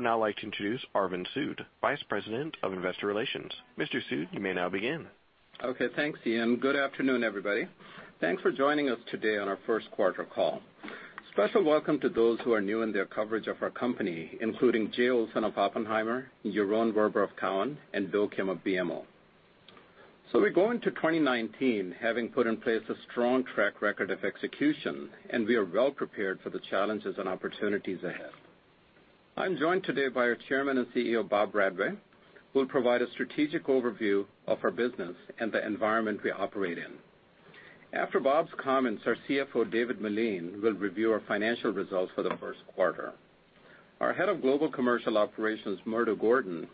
I would now like to introduce Arvind Sood, Vice President of Investor Relations. Mr. Sood, you may now begin. Okay, thanks, Ian. Good afternoon, everybody. Thanks for joining us today on our first quarter call. Special welcome to those who are new in their coverage of our company, including Jay Olson of Oppenheimer, Yaron Werber of Cowen, and Bill Kim of BMO. We go into 2019 having put in place a strong track record of execution, and we are well-prepared for the challenges and opportunities ahead. I'm joined today by our Chairman and CEO, Bob Bradway, who will provide a strategic overview of our business and the environment we operate in. After Bob's comments, our CFO, David Meline, will review our financial results for the first quarter. Our Head of Global Commercial Operations, Murdo Gordon,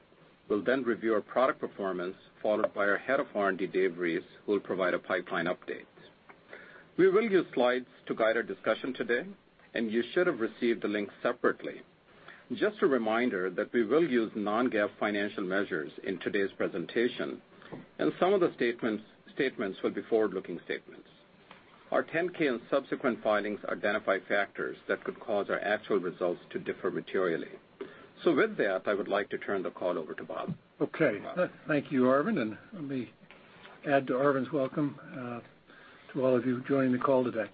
will then review our product performance, followed by our Head of R&D, Dave Reese, who will provide a pipeline update. We will use slides to guide our discussion today, and you should have received the link separately. Just a reminder that we will use non-GAAP financial measures in today's presentation, and some of the statements will be forward-looking statements. Our 10-K and subsequent filings identify factors that could cause our actual results to differ materially. With that, I would like to turn the call over to Bob. Okay. Thank you, Arvind. Let me add to Arvind's welcome to all of you joining the call today.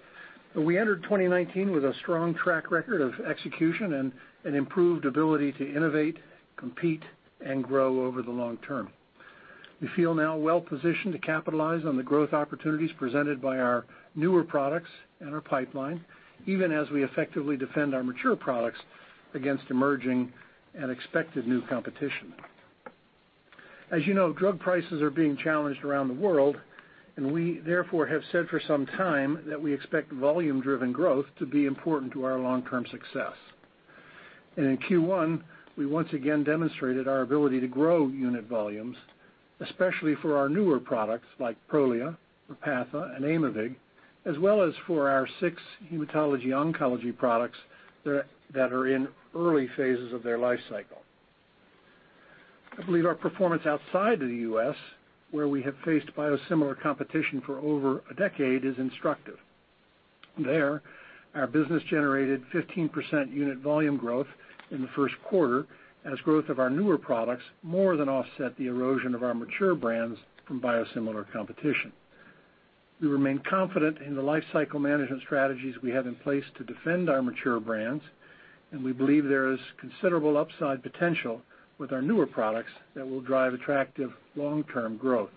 We entered 2019 with a strong track record of execution and an improved ability to innovate, compete, and grow over the long term. We feel now well-positioned to capitalize on the growth opportunities presented by our newer products and our pipeline, even as we effectively defend our mature products against emerging and expected new competition. As you know, drug prices are being challenged around the world, and we, therefore, have said for some time that we expect volume-driven growth to be important to our long-term success. In Q1, we once again demonstrated our ability to grow unit volumes, especially for our newer products like Prolia, Repatha, and Aimovig, as well as for our six hematology/oncology products that are in early phases of their life cycle. I believe our performance outside of the U.S., where we have faced biosimilar competition for over a decade, is instructive. There, our business generated 15% unit volume growth in the first quarter as growth of our newer products more than offset the erosion of our mature brands from biosimilar competition. We remain confident in the life cycle management strategies we have in place to defend our mature brands. We believe there is considerable upside potential with our newer products that will drive attractive long-term growth.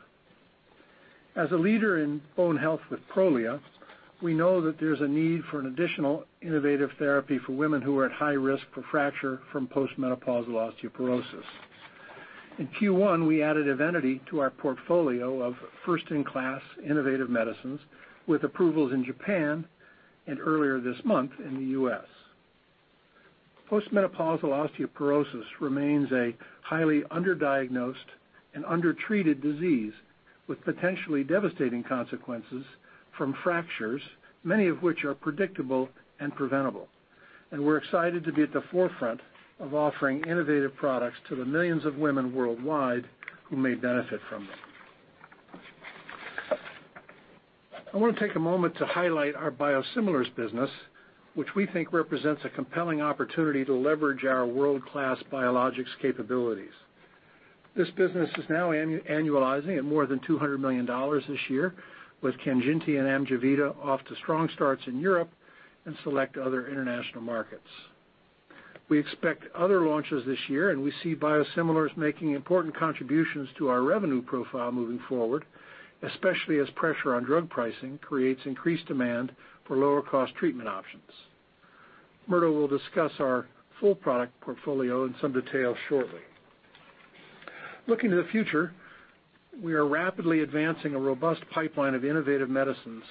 As a leader in bone health with Prolia, we know that there's a need for an additional innovative therapy for women who are at high risk for fracture from post-menopausal osteoporosis. In Q1, we added EVENITY to our portfolio of first-in-class innovative medicines with approvals in Japan and earlier this month in the U.S. Post-menopausal osteoporosis remains a highly underdiagnosed and undertreated disease with potentially devastating consequences from fractures, many of which are predictable and preventable. We're excited to be at the forefront of offering innovative products to the millions of women worldwide who may benefit from them. I want to take a moment to highlight our biosimilars business, which we think represents a compelling opportunity to leverage our world-class biologics capabilities. This business is now annualizing at more than $200 million this year with KANJINTI and AMJEVITA off to strong starts in Europe and select other international markets. We expect other launches this year. We see biosimilars making important contributions to our revenue profile moving forward, especially as pressure on drug pricing creates increased demand for lower-cost treatment options. Murdo will discuss our full product portfolio in some detail shortly. Looking to the future, we are rapidly advancing a robust pipeline of innovative medicines,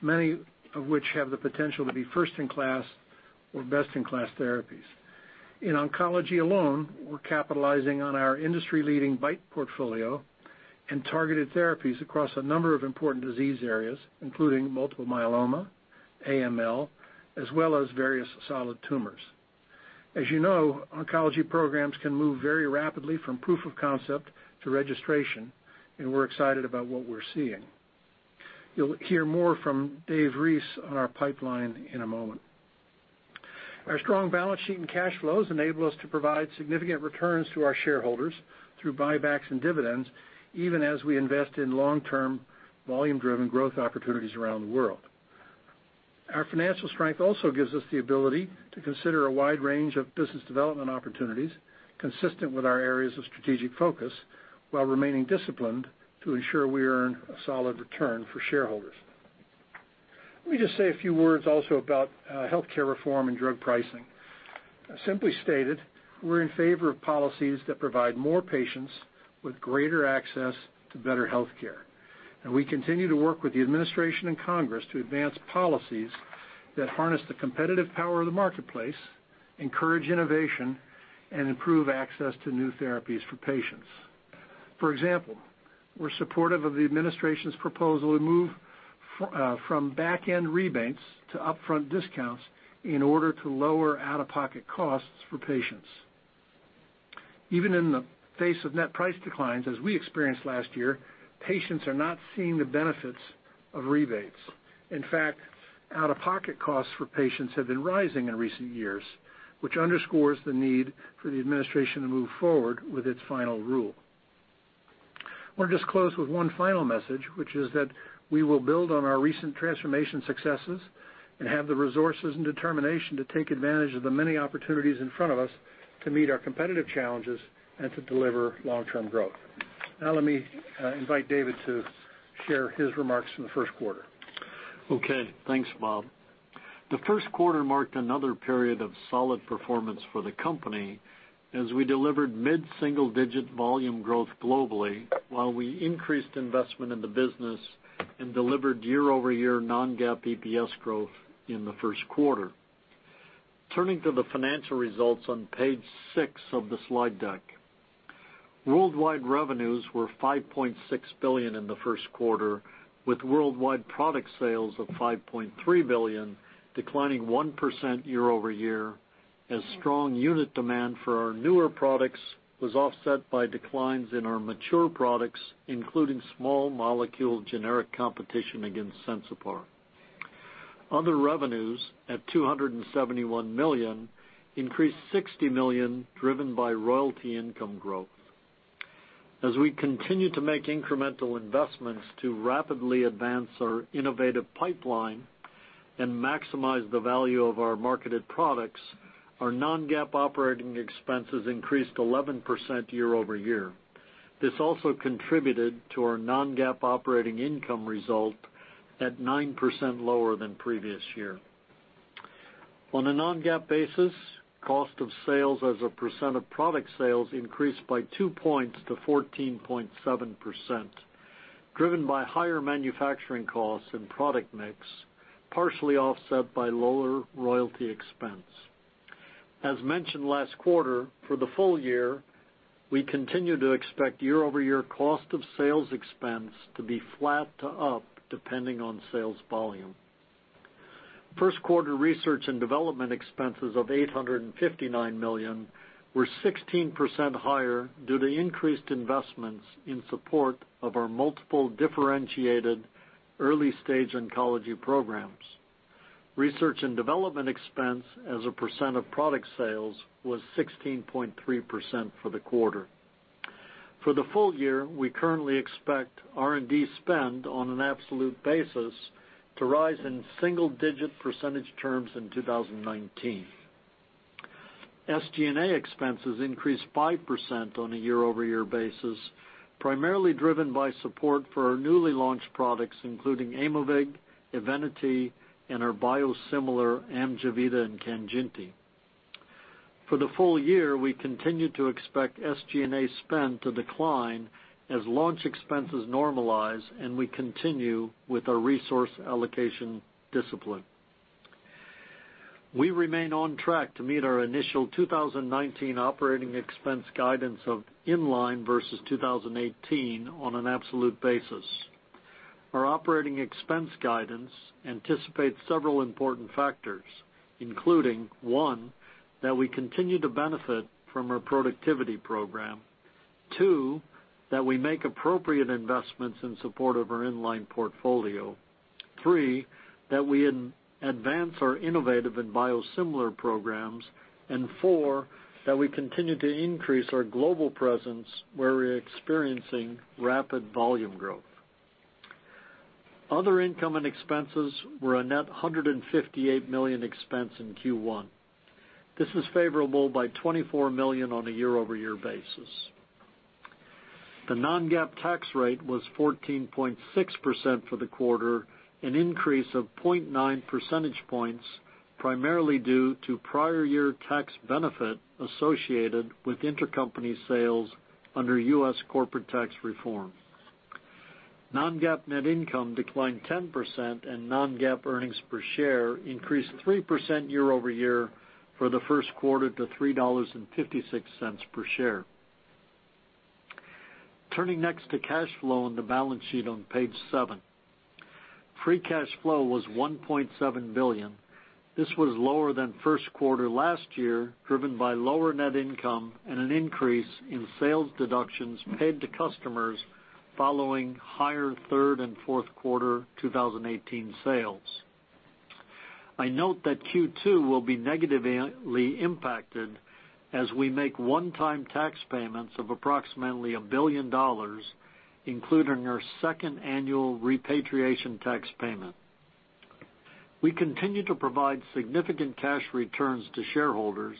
many of which have the potential to be first-in-class or best-in-class therapies. In oncology alone, we're capitalizing on our industry-leading BiTE portfolio and targeted therapies across a number of important disease areas, including multiple myeloma, AML, as well as various solid tumors. As you know, oncology programs can move very rapidly from proof of concept to registration. We're excited about what we're seeing. You'll hear more from David Reese on our pipeline in a moment. Our strong balance sheet and cash flows enable us to provide significant returns to our shareholders through buybacks and dividends, even as we invest in long-term, volume-driven growth opportunities around the world. Our financial strength also gives us the ability to consider a wide range of business development opportunities consistent with our areas of strategic focus while remaining disciplined to ensure we earn a solid return for shareholders. Let me just say a few words also about healthcare reform and drug pricing. Simply stated, we're in favor of policies that provide more patients with greater access to better healthcare. We continue to work with the administration and Congress to advance policies that harness the competitive power of the marketplace, encourage innovation, and improve access to new therapies for patients. For example, we're supportive of the administration's proposal to move from back-end rebates to upfront discounts in order to lower out-of-pocket costs for patients. Even in the face of net price declines, as we experienced last year, patients are not seeing the benefits of rebates. Out-of-pocket costs for patients have been rising in recent years, which underscores the need for the administration to move forward with its final rule. I want to just close with one final message, which is that we will build on our recent transformation successes and have the resources and determination to take advantage of the many opportunities in front of us to meet our competitive challenges and to deliver long-term growth. Let me invite David to share his remarks from the first quarter. Okay, thanks, Bob. The first quarter marked another period of solid performance for the company as we delivered mid-single-digit volume growth globally while we increased investment in the business and delivered year-over-year non-GAAP EPS growth in the first quarter. Turning to the financial results on page six of the slide deck. Worldwide revenues were $5.6 billion in the first quarter, with worldwide product sales of $5.3 billion, declining 1% year-over-year as strong unit demand for our newer products was offset by declines in our mature products, including small molecule generic competition against Sensipar. Other revenues, at $271 million, increased $60 million driven by royalty income growth. As we continue to make incremental investments to rapidly advance our innovative pipeline and maximize the value of our marketed products, our non-GAAP operating expenses increased 11% year-over-year. This also contributed to our non-GAAP operating income result at 9% lower than previous year. On a non-GAAP basis, cost of sales as a percent of product sales increased by two points to 14.7%, driven by higher manufacturing costs and product mix, partially offset by lower royalty expense. As mentioned last quarter, for the full year, we continue to expect year-over-year cost of sales expense to be flat to up, depending on sales volume. First quarter research and development expenses of $859 million were 16% higher due to increased investments in support of our multiple differentiated early-stage oncology programs. Research and development expense as a percent of product sales was 16.3% for the quarter. For the full year, we currently expect R&D spend on an absolute basis to rise in single-digit percentage terms in 2019. SG&A expenses increased 5% on a year-over-year basis, primarily driven by support for our newly launched products, including Aimovig, EVENITY, and our biosimilar AMJEVITA and KANJINTI. For the full year, we continue to expect SG&A spend to decline as launch expenses normalize, and we continue with our resource allocation discipline. We remain on track to meet our initial 2019 operating expense guidance of in-line versus 2018 on an absolute basis. Our operating expense guidance anticipates several important factors, including, one, that we continue to benefit from our productivity program. Two, that we make appropriate investments in support of our in-line portfolio. Three, that we advance our innovative and biosimilar programs. Four, that we continue to increase our global presence where we're experiencing rapid volume growth. Other income and expenses were a net $158 million expense in Q1. This was favorable by $24 million on a year-over-year basis. The non-GAAP tax rate was 14.6% for the quarter, an increase of 0.9 percentage points primarily due to prior year tax benefit associated with intercompany sales under U.S. corporate tax reform. Non-GAAP net income declined 10% and non-GAAP earnings per share increased 3% year-over-year for the first quarter to $3.56 per share. Turning next to cash flow and the balance sheet on page seven. Free cash flow was $1.7 billion. This was lower than first quarter last year, driven by lower net income and an increase in sales deductions paid to customers following higher third and fourth quarter 2018 sales. I note that Q2 will be negatively impacted as we make one-time tax payments of approximately $1 billion, including our second annual repatriation tax payment. We continue to provide significant cash returns to shareholders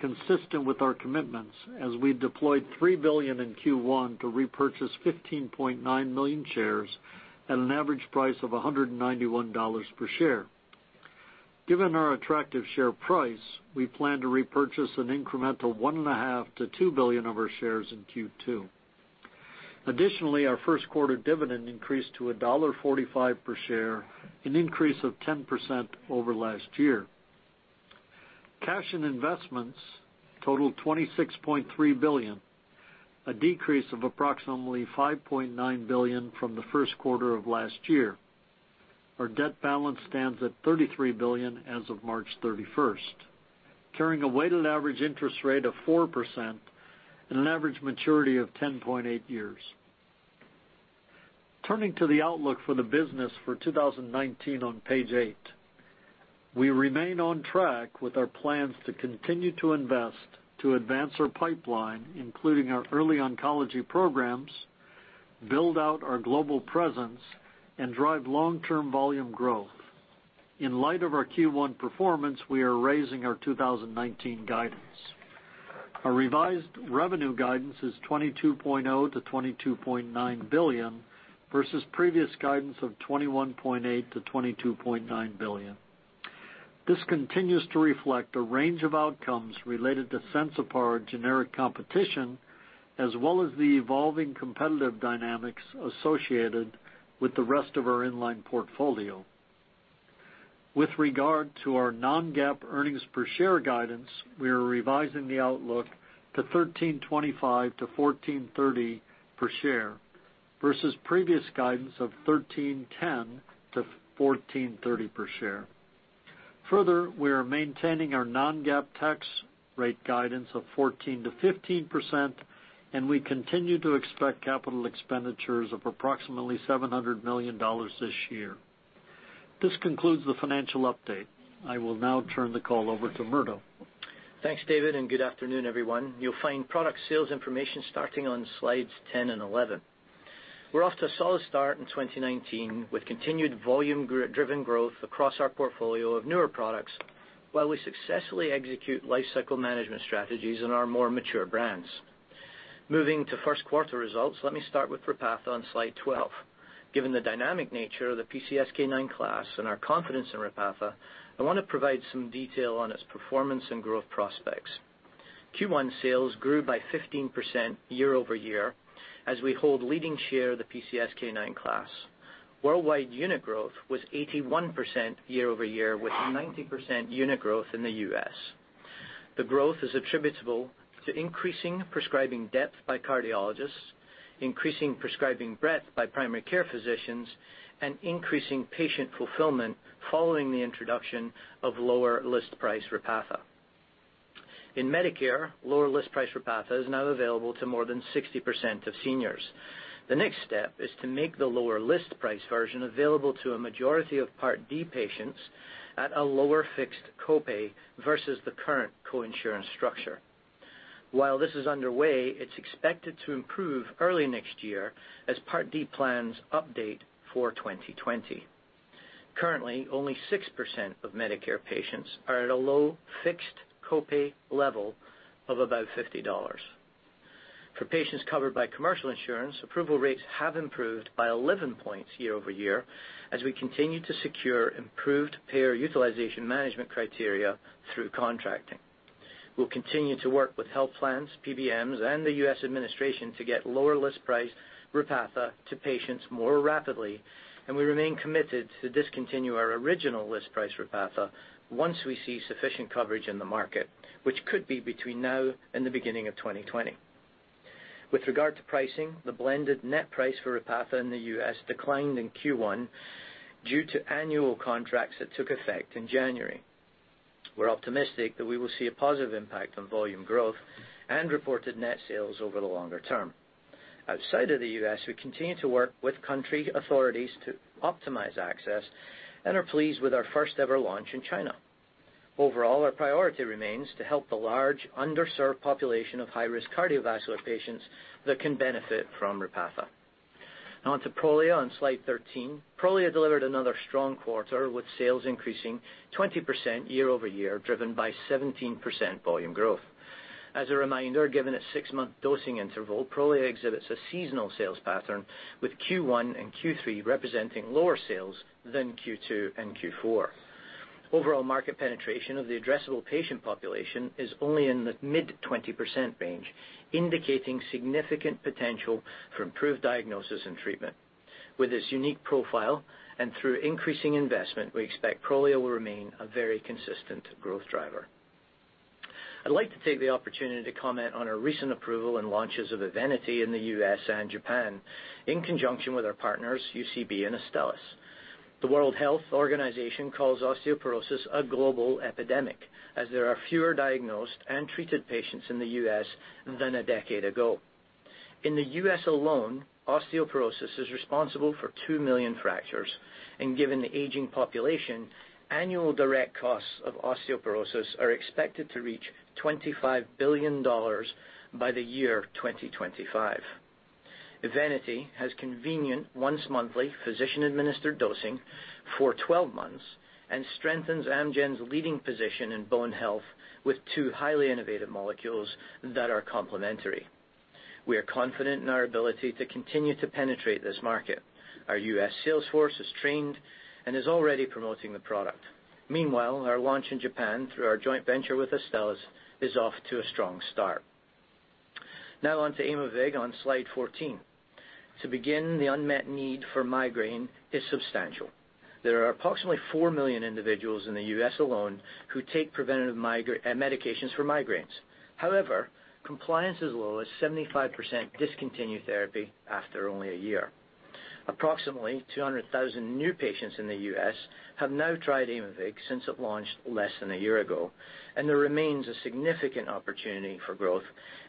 consistent with our commitments as we deployed $3 billion in Q1 to repurchase 15.9 million shares at an average price of $191 per share. Given our attractive share price, we plan to repurchase an incremental $1.5 billion-$2 billion of our shares in Q2. Additionally, our first quarter dividend increased to $1.45 per share, an increase of 10% over last year. Cash and investments totaled $26.3 billion, a decrease of approximately $5.9 billion from the first quarter of last year. Our debt balance stands at $33 billion as of March 31st, carrying a weighted average interest rate of 4% and an average maturity of 10.8 years. Turning to the outlook for the business for 2019 on Page 8. We remain on track with our plans to continue to invest to advance our pipeline, including our early oncology programs, build out our global presence, and drive long-term volume growth. In light of our Q1 performance, we are raising our 2019 guidance. Our revised revenue guidance is $22.0 billion-$22.9 billion versus previous guidance of $21.8 billion-$22.9 billion. This continues to reflect a range of outcomes related to Sensipar generic competition, as well as the evolving competitive dynamics associated with the rest of our inline portfolio. With regard to our non-GAAP earnings per share guidance, we are revising the outlook to $13.25-$14.30 per share, versus previous guidance of $13.10-$14.30 per share. Further, we are maintaining our non-GAAP tax rate guidance of 14%-15%, and we continue to expect capital expenditures of approximately $700 million this year. This concludes the financial update. I will now turn the call over to Murdo. Thanks, David, and good afternoon, everyone. You'll find product sales information starting on slides 10 and 11. We're off to a solid start in 2019, with continued volume-driven growth across our portfolio of newer products, while we successfully execute life cycle management strategies in our more mature brands. Moving to first quarter results, let me start with Repatha on slide 12. Given the dynamic nature of the PCSK9 class and our confidence in Repatha, I want to provide some detail on its performance and growth prospects. Q1 sales grew by 15% year-over-year, as we hold leading share of the PCSK9 class. Worldwide unit growth was 81% year-over-year, with 90% unit growth in the U.S. The growth is attributable to increasing prescribing depth by cardiologists, increasing prescribing breadth by primary care physicians, and increasing patient fulfillment following the introduction of lower list price Repatha. In Medicare, lower list price Repatha is now available to more than 60% of seniors. The next step is to make the lower list price version available to a majority of Part D patients at a lower fixed copay versus the current co-insurance structure. While this is underway, it's expected to improve early next year as Part D plans update for 2020. Currently, only 6% of Medicare patients are at a low fixed copay level of about $50. For patients covered by commercial insurance, approval rates have improved by 11 points year-over-year, as we continue to secure improved payer utilization management criteria through contracting. We'll continue to work with health plans, PBMs, and the U.S. administration to get lower list price Repatha to patients more rapidly, and we remain committed to discontinue our original list price Repatha once we see sufficient coverage in the market, which could be between now and the beginning of 2020. With regard to pricing, the blended net price for Repatha in the U.S. declined in Q1 due to annual contracts that took effect in January. We're optimistic that we will see a positive impact on volume growth and reported net sales over the longer term. Outside of the U.S., we continue to work with country authorities to optimize access and are pleased with our first-ever launch in China. Overall, our priority remains to help the large underserved population of high-risk cardiovascular patients that can benefit from Repatha. Now on to Prolia on slide 13. Prolia delivered another strong quarter, with sales increasing 20% year-over-year, driven by 17% volume growth. As a reminder, given its six-month dosing interval, Prolia exhibits a seasonal sales pattern, with Q1 and Q3 representing lower sales than Q2 and Q4. Overall market penetration of the addressable patient population is only in the mid-20% range, indicating significant potential for improved diagnosis and treatment. With its unique profile and through increasing investment, we expect Prolia will remain a very consistent growth driver. I'd like to take the opportunity to comment on our recent approval and launches of Evenity in the U.S. and Japan in conjunction with our partners, UCB and Astellas. The World Health Organization calls osteoporosis a global epidemic, as there are fewer diagnosed and treated patients in the U.S. than a decade ago. In the U.S. alone, osteoporosis is responsible for 2 million fractures. Given the aging population, annual direct costs of osteoporosis are expected to reach $25 billion by the year 2025. EVENITY has convenient once-monthly physician-administered dosing for 12 months and strengthens Amgen's leading position in bone health with two highly innovative molecules that are complementary. We are confident in our ability to continue to penetrate this market. Our U.S. sales force is trained and is already promoting the product. Meanwhile, our launch in Japan through our joint venture with Astellas is off to a strong start. Now on to Aimovig on slide 14. To begin, the unmet need for migraine is substantial. There are approximately 4 million individuals in the U.S. alone who take preventative medications for migraines. However, compliance is low, as 75% discontinue therapy after only a year. Approximately 200,000 new patients in the U.S. have now tried Aimovig since it launched less than a year ago, and there remains a significant opportunity for growth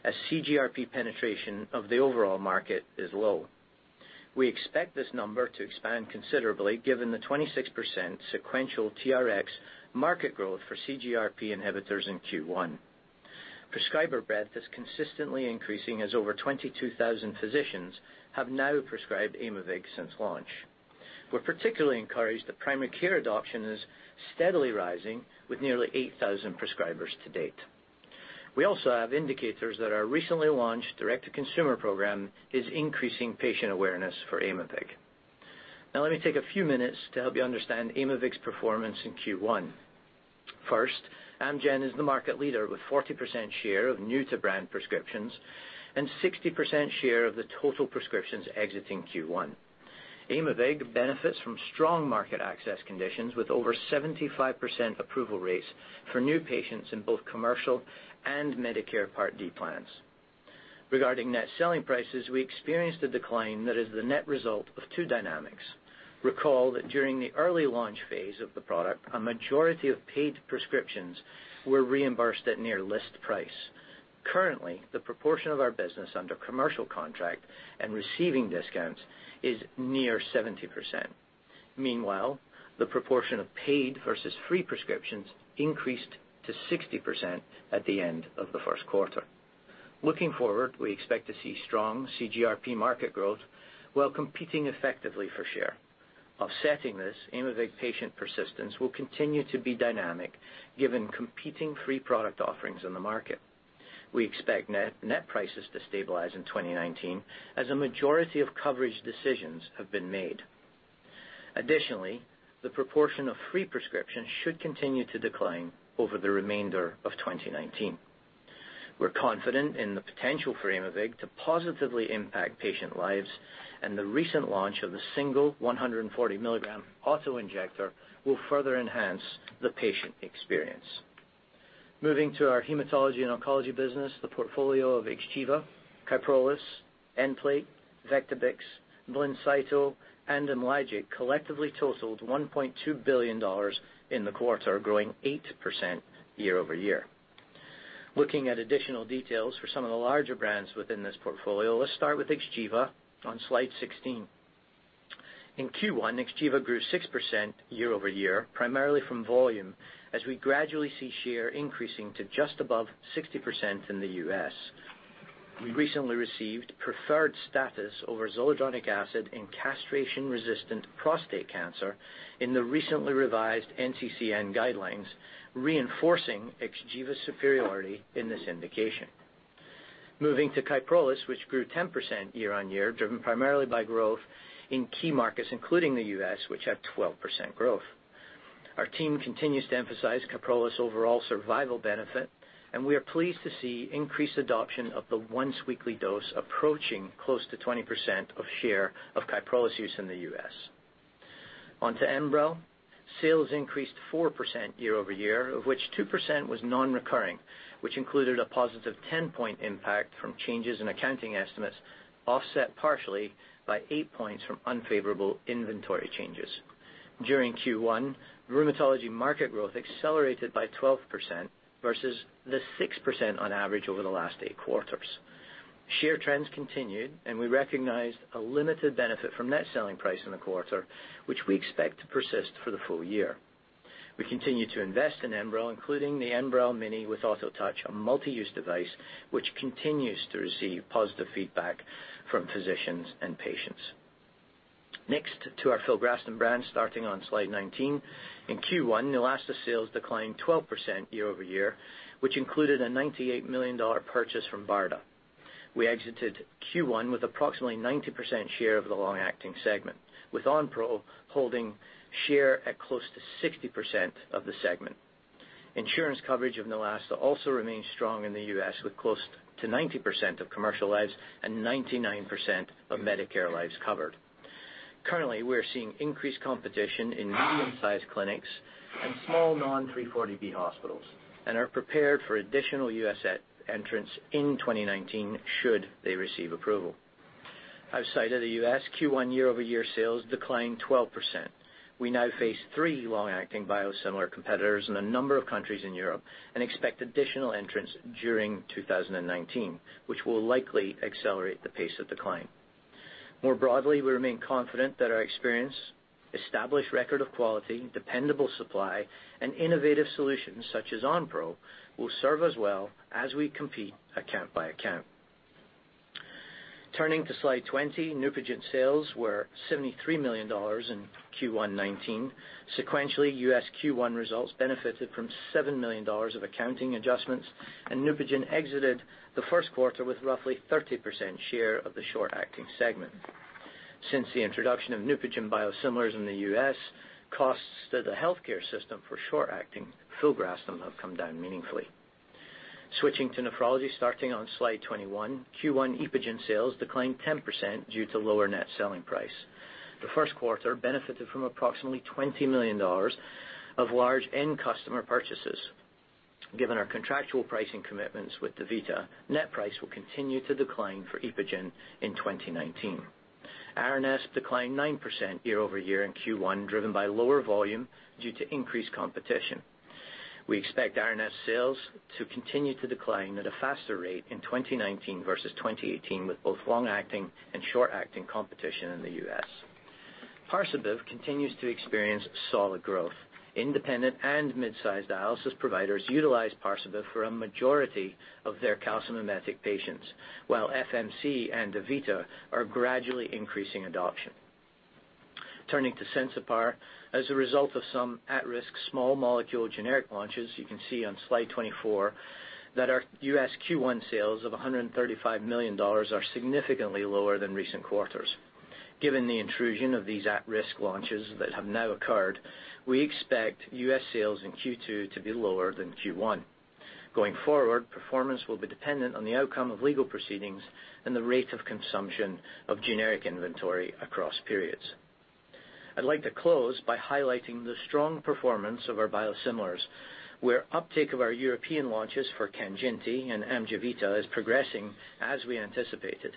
as CGRP penetration of the overall market is low. We expect this number to expand considerably given the 26% sequential TRX market growth for CGRP inhibitors in Q1. Prescriber breadth is consistently increasing, as over 22,000 physicians have now prescribed Aimovig since launch. We're particularly encouraged that primary care adoption is steadily rising with nearly 8,000 prescribers to date. We also have indicators that our recently launched direct-to-consumer program is increasing patient awareness for Aimovig. Now let me take a few minutes to help you understand Aimovig's performance in Q1. First, Amgen is the market leader with 40% share of new-to-brand prescriptions and 60% share of the total prescriptions exiting Q1. Aimovig benefits from strong market access conditions with over 75% approval rates for new patients in both commercial and Medicare Part D plans. Regarding net selling prices, we experienced a decline that is the net result of two dynamics. Recall that during the early launch phase of the product, a majority of paid prescriptions were reimbursed at near list price. Currently, the proportion of our business under commercial contract and receiving discounts is near 70%. Meanwhile, the proportion of paid versus free prescriptions increased to 60% at the end of the first quarter. Looking forward, we expect to see strong CGRP market growth while competing effectively for share. Offsetting this, Aimovig patient persistence will continue to be dynamic given competing free product offerings in the market. We expect net prices to stabilize in 2019 as a majority of coverage decisions have been made. Additionally, the proportion of free prescriptions should continue to decline over the remainder of 2019. We're confident in the potential for Aimovig to positively impact patient lives, and the recent launch of the single 140 milligram auto-injector will further enhance the patient experience. Moving to our hematology and oncology business, the portfolio of XGEVA, KYPROLIS, Nplate, Vectibix, BLINCYTO, and IMLYGIC collectively totaled $1.2 billion in the quarter, growing 8% year-over-year. Looking at additional details for some of the larger brands within this portfolio, let's start with XGEVA on slide 16. In Q1, XGEVA grew 6% year-over-year, primarily from volume, as we gradually see share increasing to just above 60% in the U.S. We recently received preferred status over zoledronic acid in castration-resistant prostate cancer in the recently revised NCCN guidelines, reinforcing XGEVA's superiority in this indication. Moving to Kyprolis, which grew 10% year-on-year, driven primarily by growth in key markets, including the U.S., which had 12% growth. Our team continues to emphasize Kyprolis' overall survival benefit, and we are pleased to see increased adoption of the once-weekly dose approaching close to 20% of share of Kyprolis use in the U.S. On to Enbrel. Sales increased 4% year-over-year, of which 2% was non-recurring, which included a positive 10-point impact from changes in accounting estimates, offset partially by eight points from unfavorable inventory changes. During Q1, the rheumatology market growth accelerated by 12% versus the 6% on average over the last eight quarters. Share trends continued, and we recognized a limited benefit from net selling price in the quarter, which we expect to persist for the full year. We continue to invest in Enbrel, including the Enbrel Mini with AutoTouch, a multi-use device which continues to receive positive feedback from physicians and patients. Next to our filgrastim brand, starting on slide 19. In Q1, Neulasta sales declined 12% year-over-year, which included a $98 million purchase from BARDA. We exited Q1 with approximately 90% share of the long-acting segment, with Onpro holding share at close to 60% of the segment. Insurance coverage of Neulasta also remains strong in the U.S., with close to 90% of commercial lives and 99% of Medicare lives covered. Currently, we're seeing increased competition in medium-sized clinics and small non-340B hospitals and are prepared for additional U.S. entrants in 2019 should they receive approval. Outside of the U.S., Q1 year-over-year sales declined 12%. We now face three long-acting biosimilar competitors in a number of countries in Europe and expect additional entrants during 2019, which will likely accelerate the pace of decline. More broadly, we remain confident that our experience, established record of quality, dependable supply, and innovative solutions such as Onpro will serve us well as we compete account by account. Turning to slide 20, NEUPOGEN sales were $73 million in Q1 2019. Sequentially, U.S. Q1 results benefited from $7 million of accounting adjustments, and NEUPOGEN exited the first quarter with roughly 30% share of the short-acting segment. Since the introduction of NEUPOGEN biosimilars in the U.S., costs to the healthcare system for short-acting filgrastim have come down meaningfully. Switching to nephrology, starting on slide 21, Q1 EPOGEN sales declined 10% due to lower net selling price. The first quarter benefited from approximately $20 million of large end customer purchases. Given our contractual pricing commitments with DaVita, net price will continue to decline for EPOGEN in 2019. Aranesp declined 9% year-over-year in Q1, driven by lower volume due to increased competition. We expect Aranesp sales to continue to decline at a faster rate in 2019 versus 2018, with both long-acting and short-acting competition in the U.S. Parsabiv continues to experience solid growth. Independent and mid-sized dialysis providers utilize Parsabiv for a majority of their calcimimetic patients, while FMC and DaVita are gradually increasing adoption. Turning to Sensipar, as a result of some at-risk small molecule generic launches, you can see on slide 24 that our U.S. Q1 sales of $135 million are significantly lower than recent quarters. Given the intrusion of these at-risk launches that have now occurred, we expect U.S. sales in Q2 to be lower than Q1. Going forward, performance will be dependent on the outcome of legal proceedings and the rate of consumption of generic inventory across periods. I'd like to close by highlighting the strong performance of our biosimilars, where uptake of our European launches for KANJINTI and AMJEVITA is progressing as we anticipated.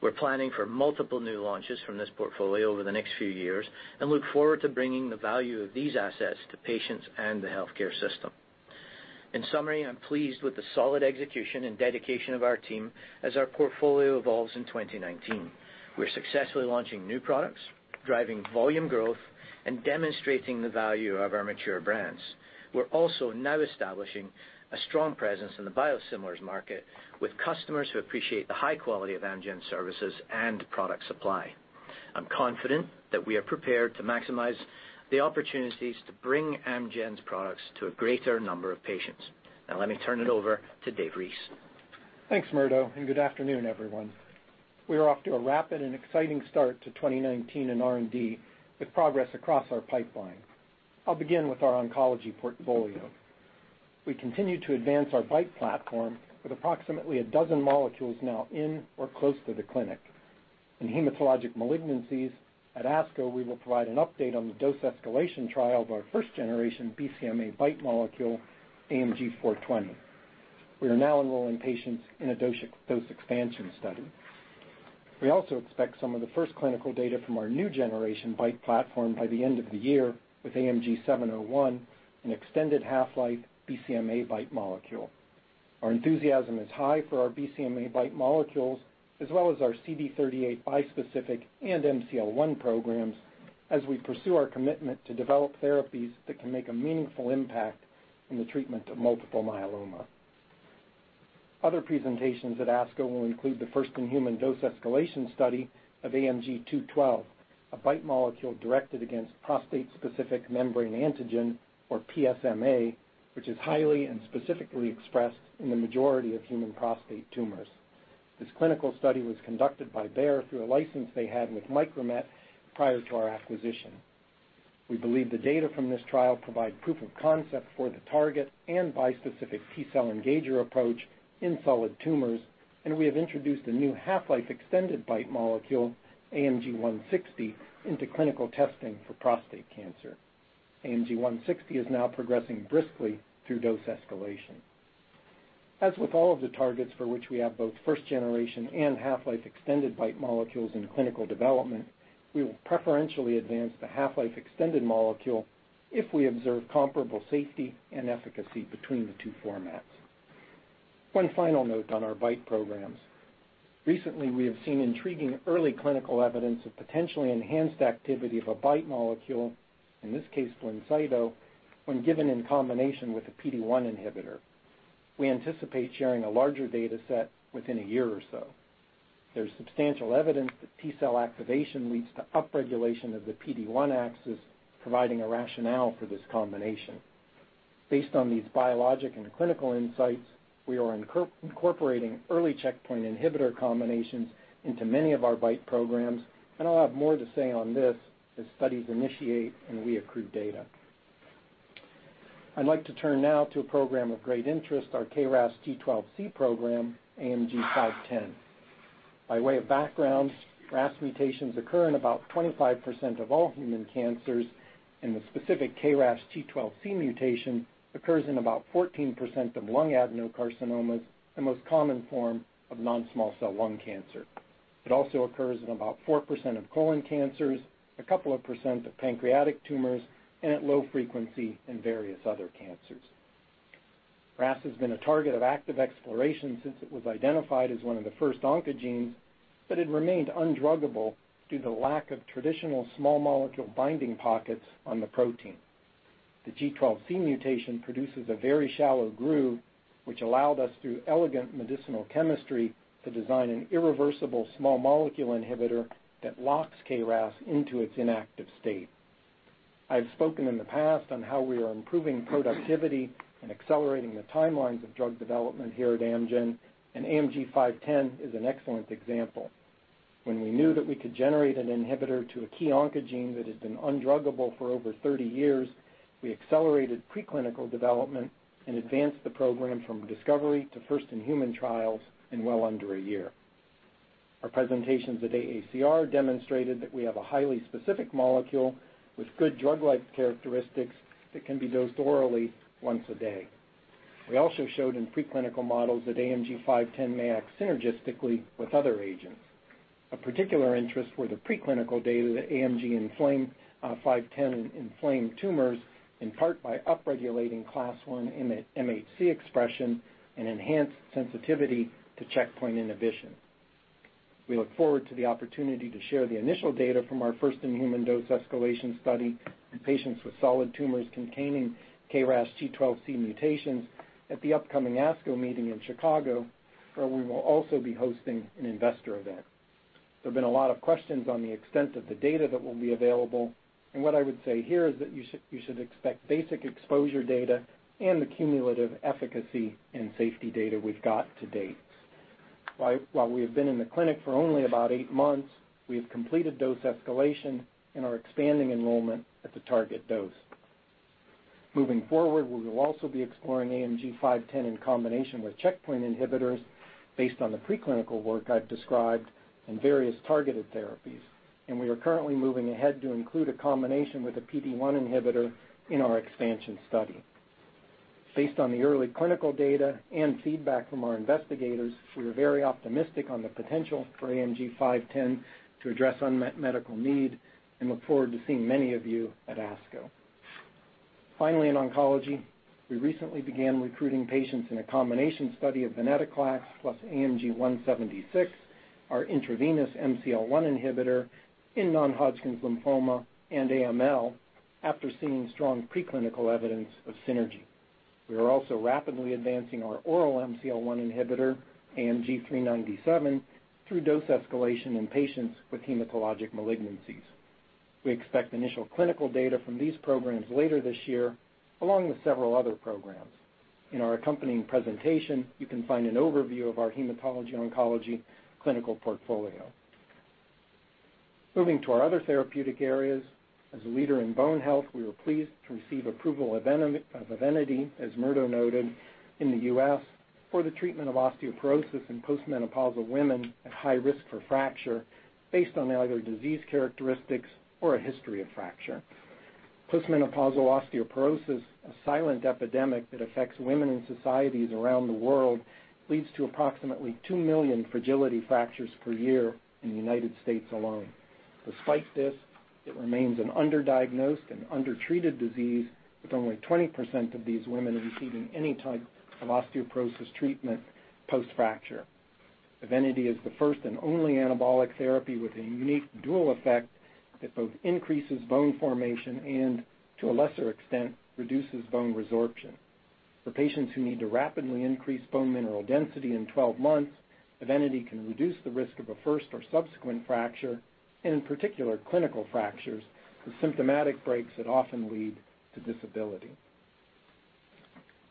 We're planning for multiple new launches from this portfolio over the next few years and look forward to bringing the value of these assets to patients and the healthcare system. In summary, I'm pleased with the solid execution and dedication of our team as our portfolio evolves in 2019. We're successfully launching new products, driving volume growth, and demonstrating the value of our mature brands. We're also now establishing a strong presence in the biosimilars market with customers who appreciate the high quality of Amgen services and product supply. I'm confident that we are prepared to maximize the opportunities to bring Amgen's products to a greater number of patients. Let me turn it over to Dave Reese. Thanks, Murdo, good afternoon, everyone. We are off to a rapid and exciting start to 2019 in R&D with progress across our pipeline. I'll begin with our oncology portfolio. We continue to advance our BiTE platform with approximately a dozen molecules now in or close to the clinic. In hematologic malignancies, at ASCO, we will provide an update on the dose escalation trial of our first-generation BCMA BiTE molecule, AMG 420. We are now enrolling patients in a dose expansion study. We also expect some of the first clinical data from our new generation BiTE platform by the end of the year with AMG 701, an extended half-life BCMA BiTE molecule. Our enthusiasm is high for our BCMA BiTE molecules, as well as our CD38 bispecific and MCL-1 programs as we pursue our commitment to develop therapies that can make a meaningful impact in the treatment of multiple myeloma. Other presentations at ASCO will include the first-in-human dose escalation study of AMG 212, a BiTE molecule directed against prostate-specific membrane antigen, or PSMA, which is highly and specifically expressed in the majority of human prostate tumors. This clinical study was conducted by Bayer through a license they had with Micromet prior to our acquisition. We believe the data from this trial provide proof of concept for the target and bispecific T-cell engager approach in solid tumors. We have introduced a new half-life extended BiTE molecule, AMG 160, into clinical testing for prostate cancer. AMG 160 is now progressing briskly through dose escalation. As with all of the targets for which we have both first-generation and half-life extended BiTE molecules in clinical development, we will preferentially advance the half-life extended molecule if we observe comparable safety and efficacy between the two formats. One final note on our BiTE programs. Recently, we have seen intriguing early clinical evidence of potentially enhanced activity of a BiTE molecule, in this case, BLINCYTO, when given in combination with a PD-1 inhibitor. We anticipate sharing a larger data set within a year or so. There's substantial evidence that T-cell activation leads to upregulation of the PD-1 axis, providing a rationale for this combination. Based on these biologic and clinical insights, we are incorporating early checkpoint inhibitor combinations into many of our BiTE programs, and I'll have more to say on this as studies initiate and we accrue data. I'd like to turn now to a program of great interest, our KRAS G12C program, AMG 510. By way of background, RAS mutations occur in about 25% of all human cancers, and the specific KRAS G12C mutation occurs in about 14% of lung adenocarcinomas, the most common form of non-small cell lung cancer. It also occurs in about 4% of colon cancers, a couple of percent of pancreatic tumors, and at low frequency in various other cancers. RAS has been a target of active exploration since it was identified as one of the first oncogenes, but it remained undruggable due to lack of traditional small molecule binding pockets on the protein. The G12C mutation produces a very shallow groove, which allowed us, through elegant medicinal chemistry, to design an irreversible small molecule inhibitor that locks KRAS into its inactive state. I've spoken in the past on how we are improving productivity and accelerating the timelines of drug development here at Amgen, and AMG 510 is an excellent example. When we knew that we could generate an inhibitor to a key oncogene that has been undruggable for over 30 years, we accelerated preclinical development and advanced the program from discovery to first-in-human trials in well under a year. Our presentations at AACR demonstrated that we have a highly specific molecule with good drug-like characteristics that can be dosed orally once a day. We also showed in preclinical models that AMG 510 may act synergistically with other agents. Of particular interest were the preclinical data that AMG 510 inflamed tumors, in part by upregulating Class I MHC expression and enhanced sensitivity to checkpoint inhibition. We look forward to the opportunity to share the initial data from our first-in-human dose escalation study in patients with solid tumors containing KRAS G12C mutations at the upcoming ASCO meeting in Chicago, where we will also be hosting an investor event. There've been a lot of questions on the extent of the data that will be available, and what I would say here is that you should expect basic exposure data and the cumulative efficacy and safety data we've got to date. While we have been in the clinic for only about eight months, we have completed dose escalation and are expanding enrollment at the target dose. Moving forward, we will also be exploring AMG 510 in combination with checkpoint inhibitors based on the preclinical work I've described and various targeted therapies. We are currently moving ahead to include a combination with a PD-1 inhibitor in our expansion study. Based on the early clinical data and feedback from our investigators, we are very optimistic on the potential for AMG 510 to address unmet medical need and look forward to seeing many of you at ASCO. Finally, in oncology, we recently began recruiting patients in a combination study of venetoclax plus AMG 176, our intravenous MCL-1 inhibitor in non-Hodgkin's lymphoma and AML, after seeing strong preclinical evidence of synergy. We are also rapidly advancing our oral MCL-1 inhibitor, AMG 397, through dose escalation in patients with hematologic malignancies. We expect initial clinical data from these programs later this year, along with several other programs. In our accompanying presentation, you can find an overview of our hematology oncology clinical portfolio. Moving to our other therapeutic areas, as a leader in bone health, we were pleased to receive approval of EVENITY, as Murdo noted, in the U.S. for the treatment of osteoporosis in post-menopausal women at high risk for fracture based on either disease characteristics or a history of fracture. Post-menopausal osteoporosis, a silent epidemic that affects women in societies around the world, leads to approximately 2 million fragility fractures per year in the U.S. alone. Despite this, it remains an underdiagnosed and undertreated disease with only 20% of these women receiving any type of osteoporosis treatment post-fracture. EVENITY is the first and only anabolic therapy with a unique dual effect that both increases bone formation and, to a lesser extent, reduces bone resorption. For patients who need to rapidly increase bone mineral density in 12 months, EVENITY can reduce the risk of a first or subsequent fracture, and in particular, clinical fractures, the symptomatic breaks that often lead to disability.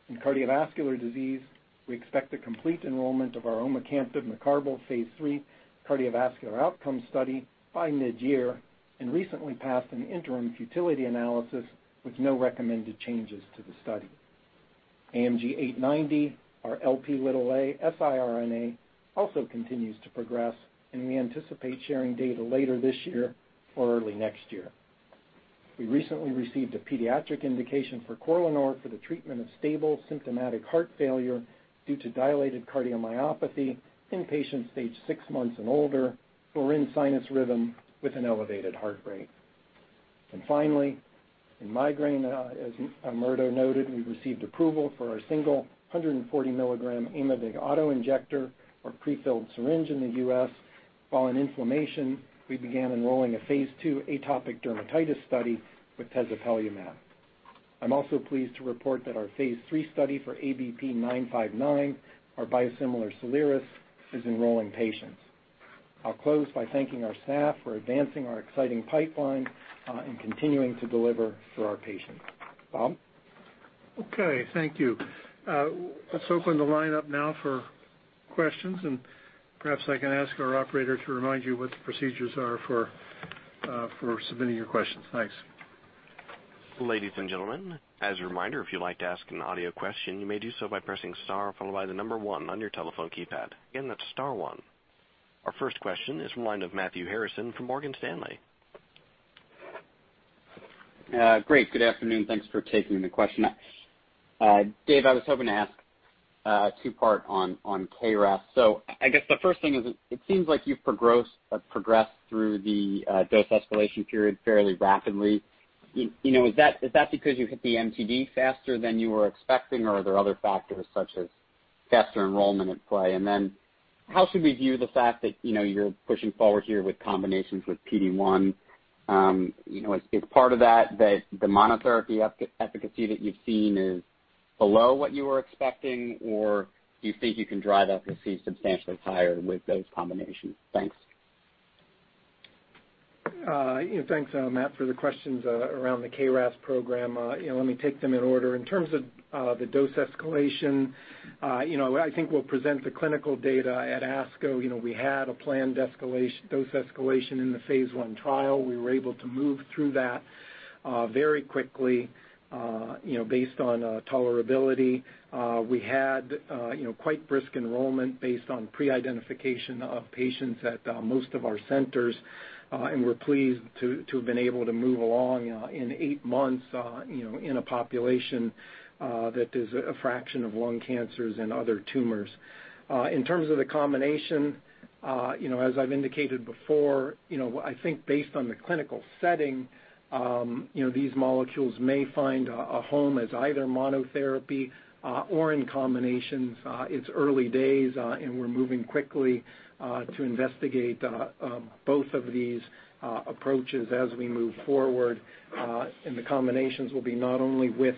In cardiovascular disease, we expect a complete enrollment of our omecamtiv mecarbil phase III cardiovascular outcome study by mid-year and recently passed an interim futility analysis with no recommended changes to the study. AMG 890, our Lp siRNA, also continues to progress, and we anticipate sharing data later this year or early next year. We recently received a pediatric indication for CORLANOR for the treatment of stable symptomatic heart failure due to dilated cardiomyopathy in patients aged six months and older who are in sinus rhythm with an elevated heart rate. Finally, in migraine, as Murdo noted, we received approval for our single 140 milligram AIMOVIG auto-injector or prefilled syringe in the U.S. While in inflammation, we began enrolling a phase II atopic dermatitis study with tezepelumab. I'm also pleased to report that our phase III study for ABP 959, our biosimilar SOLIRIS, is enrolling patients. I'll close by thanking our staff for advancing our exciting pipeline and continuing to deliver for our patients. Bob? Okay, thank you. Let's open the line up now for questions, perhaps I can ask our operator to remind you what the procedures are for submitting your questions. Thanks. Ladies and gentlemen, as a reminder, if you'd like to ask an audio question, you may do so by pressing star followed by the number 1 on your telephone keypad. Again, that's star 1. Our first question is from the line of Matthew Harrison from Morgan Stanley. Great. Good afternoon. Thanks for taking the question. Dave, I was hoping to ask a two-part on KRAS. I guess the first thing is it seems like you've progressed through the dose escalation period fairly rapidly. Is that because you hit the MTD faster than you were expecting, or are there other factors such as faster enrollment at play? Then how should we view the fact that you're pushing forward here with combinations with PD-1? Is part of that that the monotherapy efficacy that you've seen is below what you were expecting, or do you think you can drive efficacy substantially higher with those combinations? Thanks. Thanks, Matt, for the questions around the KRAS program. Let me take them in order. In terms of the dose escalation, I think we'll present the clinical data at ASCO. We had a planned dose escalation in the phase I trial. We were able to move through that very quickly based on tolerability. We had quite brisk enrollment based on pre-identification of patients at most of our centers. We're pleased to have been able to move along in eight months, in a population that is a fraction of lung cancers and other tumors. In terms of the combination, as I've indicated before, I think based on the clinical setting, these molecules may find a home as either monotherapy or in combinations. It's early days, we're moving quickly to investigate both of these approaches as we move forward. The combinations will be not only with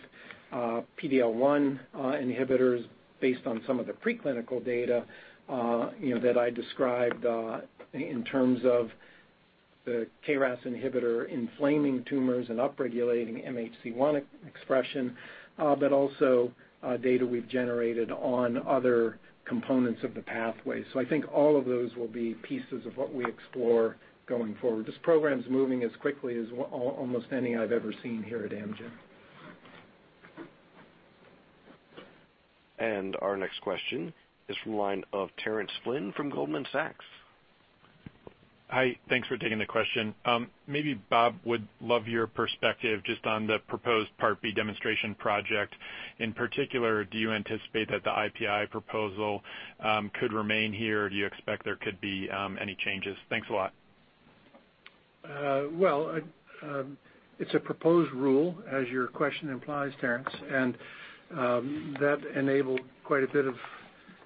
PD-L1 inhibitors based on some of the preclinical data that I described in terms of the KRAS inhibitor inflaming tumors and upregulating MHC1 expression, but also data we've generated on other components of the pathway. I think all of those will be pieces of what we explore going forward. This program's moving as quickly as almost any I've ever seen here at Amgen. Our next question is from the line of Terence Flynn from Goldman Sachs. Hi. Thanks for taking the question. Maybe Bob would love your perspective just on the proposed Part B demonstration project. In particular, do you anticipate that the IPI proposal could remain here? Do you expect there could be any changes? Thanks a lot. It's a proposed rule, as your question implies, Terence, that enabled quite a bit of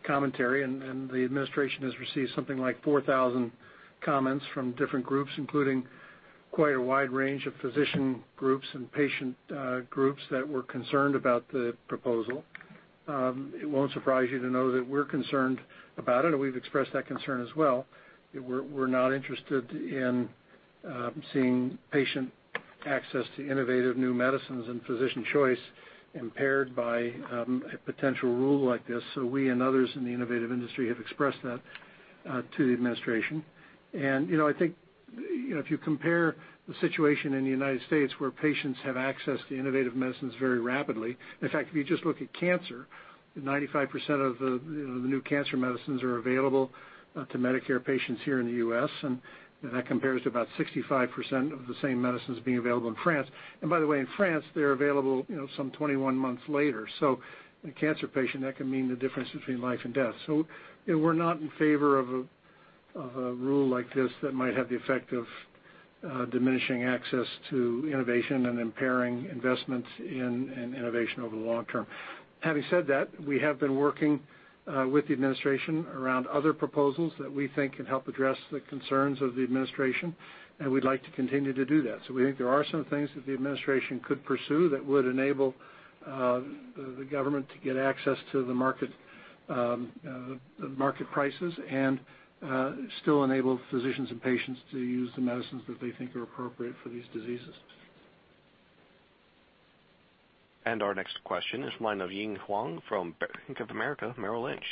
commentary. The administration has received something like 4,000 comments from different groups, including quite a wide range of physician groups and patient groups that were concerned about the proposal. It won't surprise you to know that we're concerned about it, and we've expressed that concern as well. We're not interested in seeing patient access to innovative new medicines and physician choice impaired by a potential rule like this. We and others in the innovative industry have expressed that to the administration. I think, if you compare the situation in the United States where patients have access to innovative medicines very rapidly, in fact, if you just look at cancer, 95% of the new cancer medicines are available to Medicare patients here in the U.S. That compares to about 65% of the same medicines being available in France. By the way, in France, they're available some 21 months later. In a cancer patient, that can mean the difference between life and death. We're not in favor of a rule like this that might have the effect of diminishing access to innovation and impairing investments in innovation over the long term. Having said that, we have been working with the administration around other proposals that we think can help address the concerns of the administration. We'd like to continue to do that. We think there are some things that the administration could pursue that would enable the government to get access to the market prices and still enable physicians and patients to use the medicines that they think are appropriate for these diseases. Our next question is line of Ying Huang from Bank of America Merrill Lynch.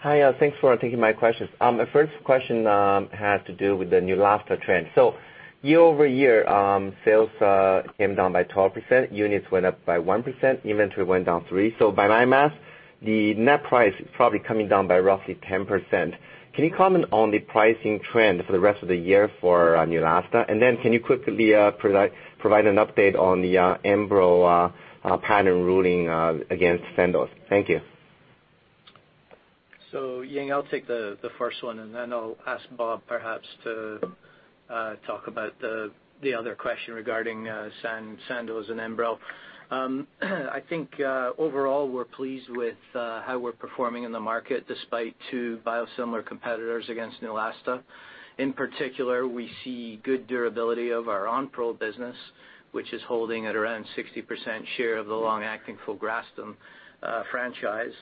Hi. Thanks for taking my questions. My first question has to do with the Neulasta trend. Year-over-year, sales came down by 12%, units went up by 1%, inventory went down 3%. By my math, the net price is probably coming down by roughly 10%. Can you comment on the pricing trend for the rest of the year for Neulasta? Can you quickly provide an update on the ENBREL patent ruling against Sandoz? Thank you. Ying, I'll take the first one. I'll ask Bob perhaps to talk about the other question regarding Sandoz and ENBREL. I think, overall, we're pleased with how we're performing in the market despite two biosimilar competitors against Neulasta. In particular, we see good durability of our Onpro business, which is holding at around 60% share of the long-acting filgrastim franchise.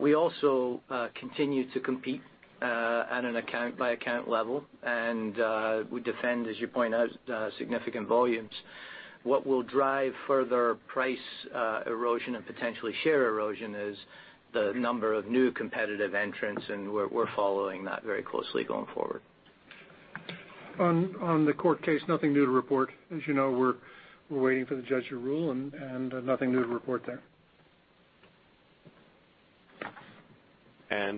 We also continue to compete at an account by account level. We defend, as you point out, significant volumes. What will drive further price erosion and potentially share erosion is the number of new competitive entrants. We're following that very closely going forward. On the court case, nothing new to report. As you know, we're waiting for the judge to rule. Nothing new to report there.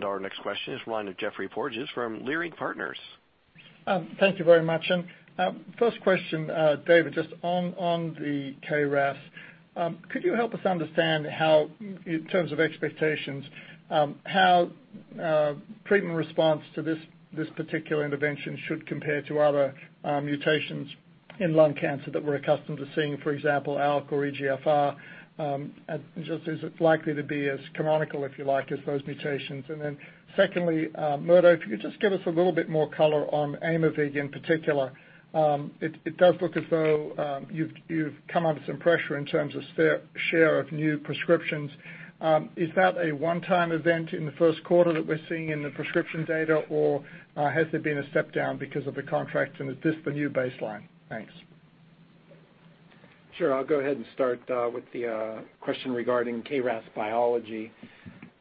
Our next question is from the line of Geoffrey Porges from SVB Leerink. Thank you very much. First question, David, just on the KRAS, could you help us understand how, in terms of expectations, how treatment response to this particular intervention should compare to other mutations in lung cancer that we're accustomed to seeing, for example, ALK or EGFR? Is it likely to be as canonical, if you like, as those mutations? Secondly, Murdo, if you could just give us a little bit more color on Aimovig in particular. It does look as though you've come under some pressure in terms of share of new prescriptions. Is that a one-time event in the first quarter that we're seeing in the prescription data, or has there been a step down because of the contract? Is this the new baseline? Thanks. Sure. I'll go ahead and start with the question regarding KRAS biology.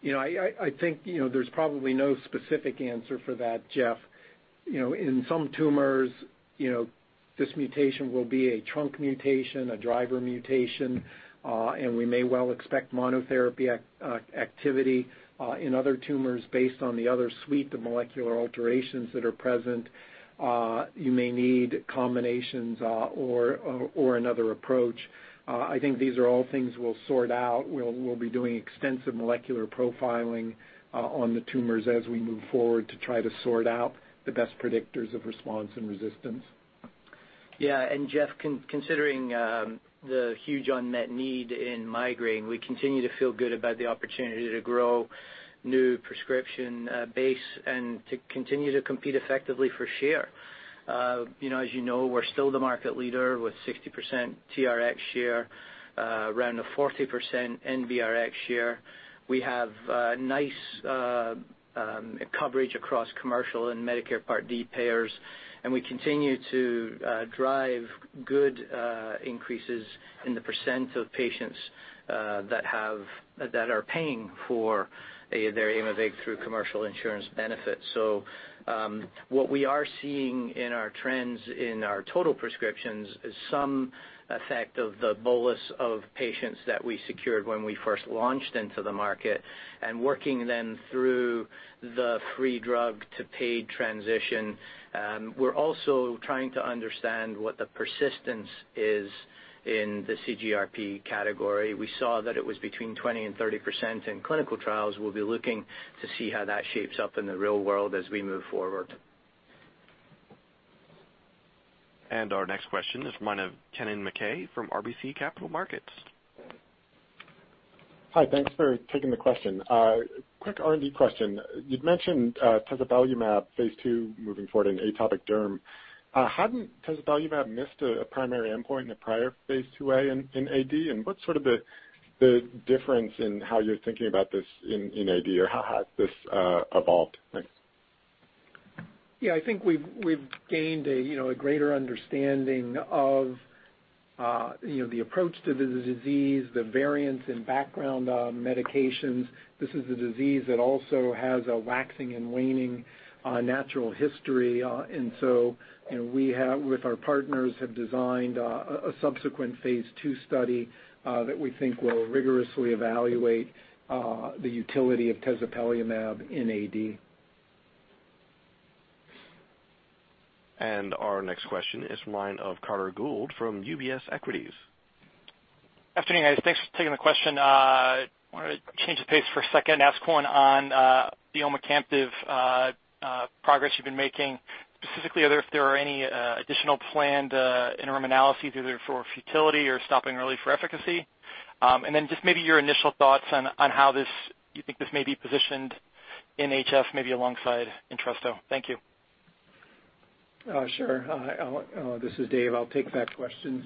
I think there's probably no specific answer for that, Jeff. In some tumors, this mutation will be a trunk mutation, a driver mutation. We may well expect monotherapy activity in other tumors based on the other suite of molecular alterations that are present. You may need combinations or another approach. I think these are all things we'll sort out. We'll be doing extensive molecular profiling on the tumors as we move forward to try to sort out the best predictors of response and resistance. Yeah. Geoffrey, considering the huge unmet need in migraine, we continue to feel good about the opportunity to grow new prescription base and to continue to compete effectively for share. As you know, we're still the market leader with 60% TRX share, around a 40% NBRx share. We have nice coverage across commercial and Medicare Part D payers. We continue to drive good increases in the % of patients that are paying for their Aimovig through commercial insurance benefits. What we are seeing in our trends in our total prescriptions is some effect of the bolus of patients that we secured when we first launched into the market and working them through the free drug to paid transition. We're also trying to understand what the persistence is in the CGRP category. We saw that it was between 20%-30% in clinical trials. We'll be looking to see how that shapes up in the real world as we move forward. Our next question is from Kennen MacKay from RBC Capital Markets. Hi, thanks for taking the question. Quick R&D question. You'd mentioned tezepelumab, phase II moving forward in atopic derm. Hadn't tezepelumab missed a primary endpoint in the prior phase IIa in AD? What's sort of the difference in how you're thinking about this in AD or how has this evolved? Thanks. Yeah, I think we've gained a greater understanding of the approach to the disease, the variance in background medications. This is a disease that also has a waxing and waning natural history. We, with our partners, have designed a subsequent phase II study that we think will rigorously evaluate the utility of tezepelumab in AD. Our next question is from the line of Carter Gould from UBS Equities. Afternoon, guys. Thanks for taking the question. Wanted to change the pace for a second and ask one on the omecamtiv progress you've been making. Specifically, are there any additional planned interim analyses, either for futility or stopping early for efficacy? Just maybe your initial thoughts on how you think this may be positioned in HF, maybe alongside ENTRESTO. Thank you. Sure. This is Dave, I'll take that question.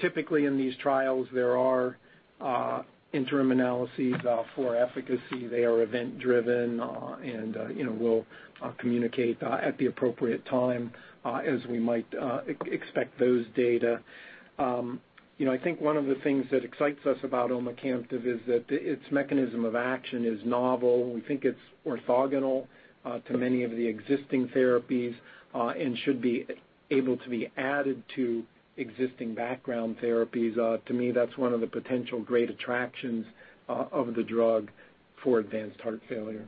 Typically in these trials, there are interim analyses for efficacy. They are event driven and we'll communicate at the appropriate time as we might expect those data. I think one of the things that excites us about omecamtiv is that its mechanism of action is novel. We think it's orthogonal to many of the existing therapies and should be able to be added to existing background therapies. To me, that's one of the potential great attractions of the drug for advanced heart failure.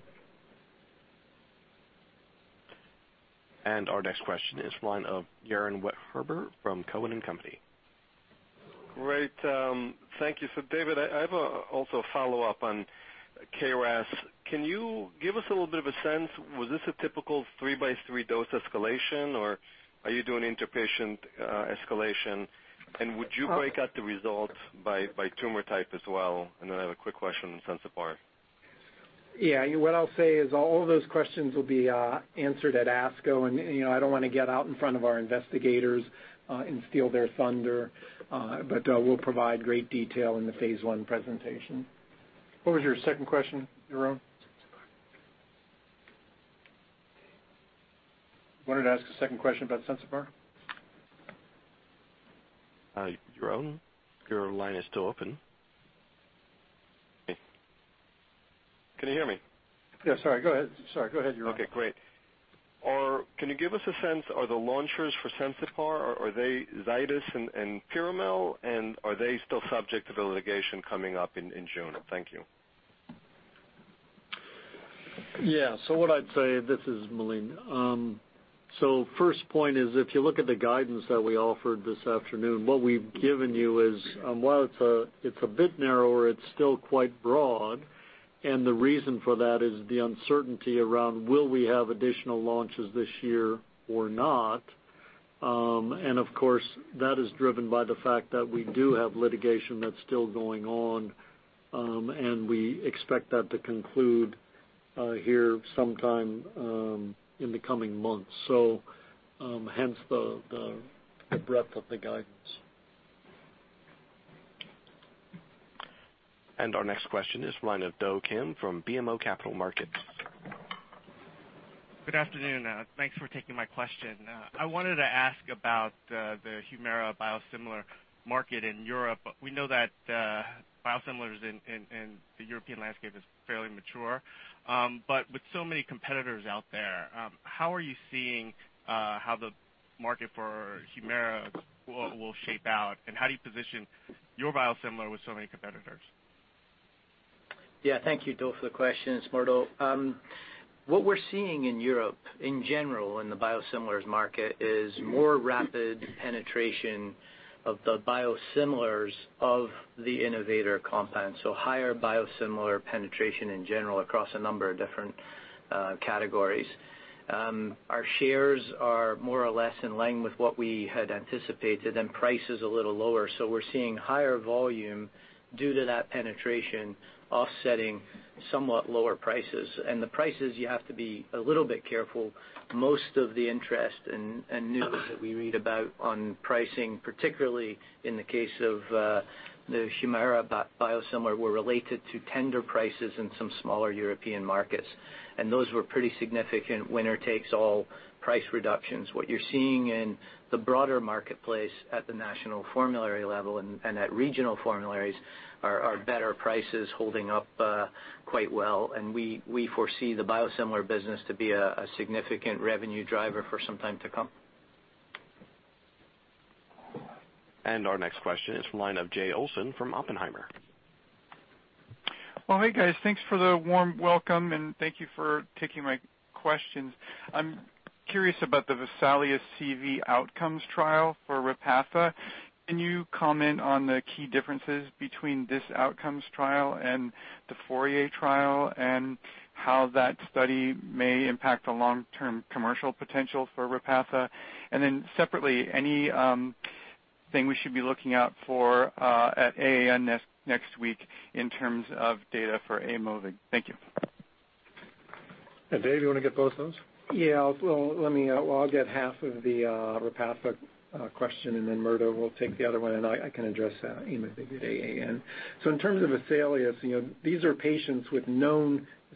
Our next question is from the line of Yaron Werber from Cowen and Company. Great. Thank you. David, I have also a follow-up on KRAS. Can you give us a little bit of a sense, was this a typical three by three dose escalation, or are you doing interpatient escalation? Would you break out the results by tumor type as well? I have a quick question on Sensipar. Yeah. What I'll say is all of those questions will be answered at ASCO, I don't want to get out in front of our investigators and steal their thunder. We'll provide great detail in the phase I presentation. What was your second question, Yaron? Sensipar. Wanted to ask a second question about Sensipar? Yaron, your line is still open. Can you hear me? Yeah, sorry, go ahead, Yaron. Okay, great. Can you give us a sense, are the launchers for Sensipar, are they Zydus and Piramal, and are they still subject to the litigation coming up in June? Thank you. Yeah. What I'd say, this is Murdo. First point is if you look at the guidance that we offered this afternoon, what we've given you is, while it's a bit narrower, it's still quite broad, and the reason for that is the uncertainty around will we have additional launches this year or not? Of course, that is driven by the fact that we do have litigation that's still going on, and we expect that to conclude here sometime in the coming months. Hence the breadth of the guidance. Our next question is the line of Do Kim from BMO Capital Markets. Good afternoon. Thanks for taking my question. I wanted to ask about the HUMIRA biosimilar market in Europe. We know that biosimilars in the European landscape is fairly mature. With so many competitors out there, how are you seeing how the market for HUMIRA will shape out, and how do you position your biosimilar with so many competitors? Thank you, Do, for the question. It's Murdo. What we're seeing in Europe in general in the biosimilars market is more rapid penetration of the biosimilars of the innovator compounds, higher biosimilar penetration in general across a number of different categories. Our shares are more or less in line with what we had anticipated, and price is a little lower. We're seeing higher volume due to that penetration offsetting somewhat lower prices. The prices, you have to be a little bit careful. Most of the interest and news that we read about on pricing, particularly in the case of the HUMIRA biosimilar, were related to tender prices in some smaller European markets. Those were pretty significant winner-takes-all price reductions. What you're seeing in the broader marketplace at the national formulary level and at regional formularies are better prices holding up quite well. We foresee the biosimilar business to be a significant revenue driver for some time to come. Our next question is from the line of Jay Olson from Oppenheimer. Well, hey, guys, thanks for the warm welcome, thank you for taking my questions. I'm curious about the VESALIUS-CV outcomes trial for Repatha. Can you comment on the key differences between this outcomes trial and the FOURIER trial and how that study may impact the long-term commercial potential for Repatha? Separately, anything we should be looking out for at AAN next week in terms of data for Aimovig? Thank you. Dave, you want to get both of those? Yeah. Well, I'll get half of the Repatha question, Murdo will take the other one, I can address Aimovig at AAN. In terms of VESALIUS, these are patients with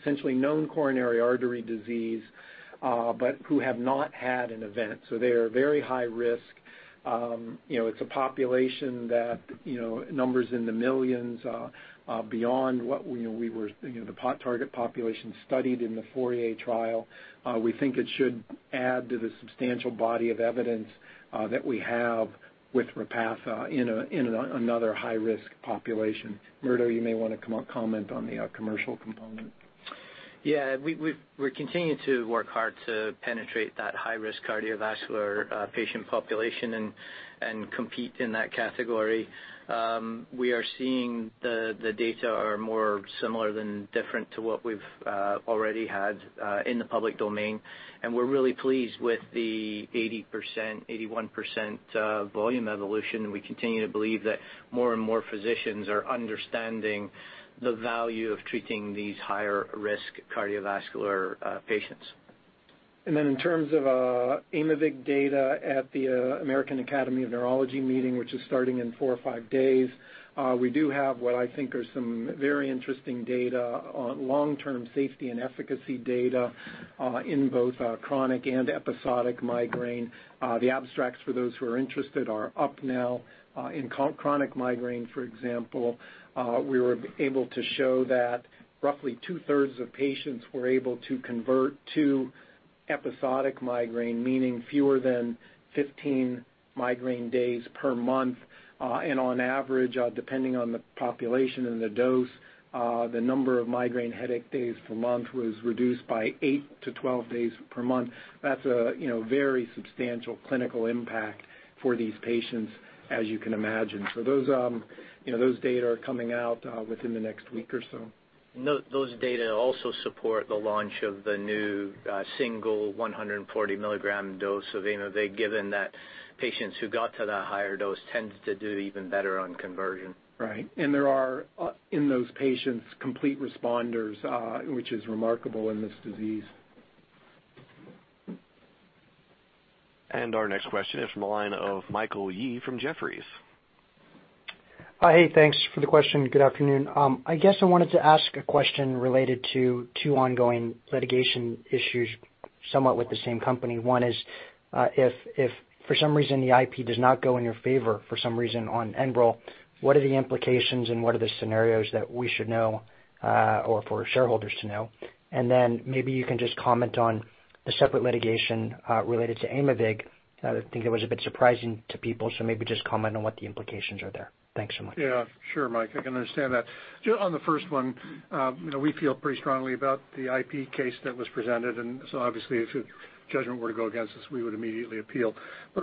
essentially known coronary artery disease, who have not had an event, they are very high risk. It's a population that numbers in the millions beyond what the target population studied in the FOURIER trial. We think it should add to the substantial body of evidence that we have with Repatha in another high-risk population. Murdo, you may want to comment on the commercial component. Yeah. We're continuing to work hard to penetrate that high-risk cardiovascular patient population and compete in that category. We are seeing the data are more similar than different to what we've already had in the public domain. We're really pleased with the 80%-81% volume evolution, and we continue to believe that more and more physicians are understanding the value of treating these higher-risk cardiovascular patients. In terms of Aimovig data at the American Academy of Neurology meeting, which is starting in four or five days, we do have what I think are some very interesting data on long-term safety and efficacy data in both chronic and episodic migraine. The abstracts for those who are interested are up now. In chronic migraine, for example, we were able to show that roughly two-thirds of patients were able to convert to episodic migraine, meaning fewer than 15 migraine days per month. On average, depending on the population and the dose, the number of migraine headache days per month was reduced by eight to 12 days per month. That's a very substantial clinical impact for these patients, as you can imagine. Those data are coming out within the next week or so. Those data also support the launch of the new single 140-milligram dose. They've given that patients who got to that higher dose tend to do even better on conversion. Right. There are, in those patients, complete responders, which is remarkable in this disease. Our next question is from the line of Michael Yee from Jefferies. Hey, thanks for the question. Good afternoon. I guess I wanted to ask a question related to two ongoing litigation issues, somewhat with the same company. One is if for some reason the IP does not go in your favor for some reason on Enbrel, what are the implications and what are the scenarios that we should know or for shareholders to know? Then maybe you can just comment on the separate litigation related to Aimovig. I think it was a bit surprising to people, so maybe just comment on what the implications are there. Thanks so much. Yeah. Sure, Mike. I can understand that. On the first one, we feel pretty strongly about the IP case that was presented, so obviously, if a judgment were to go against us, we would immediately appeal.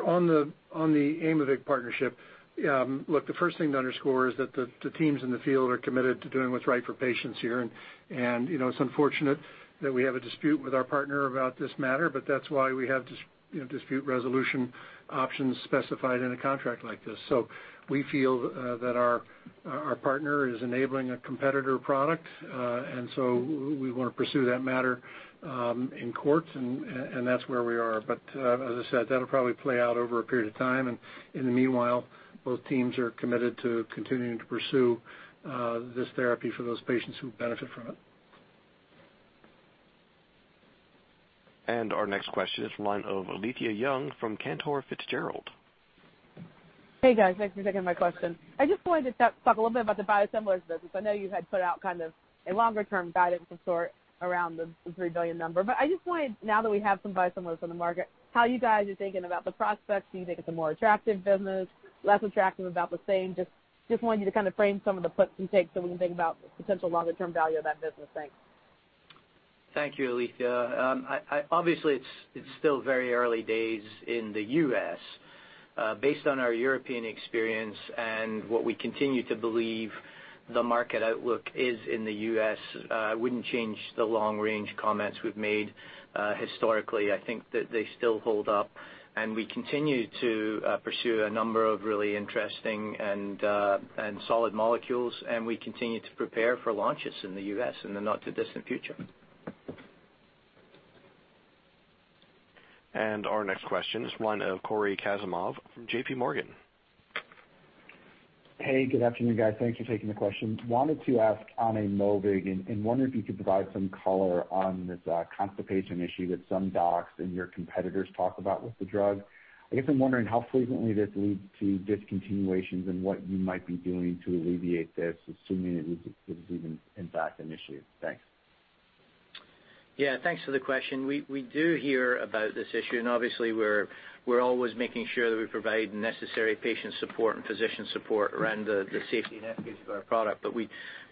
On the Aimovig partnership, look, the first thing to underscore is that the teams in the field are committed to doing what's right for patients here. It's unfortunate that we have a dispute with our partner about this matter, but that's why we have dispute resolution options specified in a contract like this. We feel that our partner is enabling a competitor product, and so we want to pursue that matter in courts, and that's where we are. As I said, that'll probably play out over a period of time, and in the meanwhile, both teams are committed to continuing to pursue this therapy for those patients who benefit from it. Our next question is the line of Alethia Young from Cantor Fitzgerald. Hey, guys. Thanks for taking my question. I just wanted to talk a little bit about the biosimilars business. I know you had put out a longer-term guidance of sort around the 3 billion number, but I just wanted, now that we have some biosimilars on the market, how you guys are thinking about the prospects. Do you think it's a more attractive business, less attractive, about the same? Just wanted you to frame some of the puts and takes so we can think about potential longer-term value of that business. Thanks. Thank you, Alethia. Obviously, it's still very early days in the U.S. Based on our European experience and what we continue to believe the market outlook is in the U.S., wouldn't change the long-range comments we've made historically. I think that they still hold up, and we continue to pursue a number of really interesting and solid molecules, and we continue to prepare for launches in the U.S. in the not too distant future. Our next question is the line of Cory Kasimov from JPMorgan. Hey, good afternoon, guys. Thank you for taking the question. Wonder if you could provide some color on this constipation issue that some docs and your competitors talk about with the drug. I guess I'm wondering how frequently this leads to discontinuations and what you might be doing to alleviate this, assuming it is even, in fact, an issue. Thanks. Yeah. Thanks for the question. We do hear about this issue. Obviously we're always making sure that we provide necessary patient support and physician support around the safety and efficacy of our product.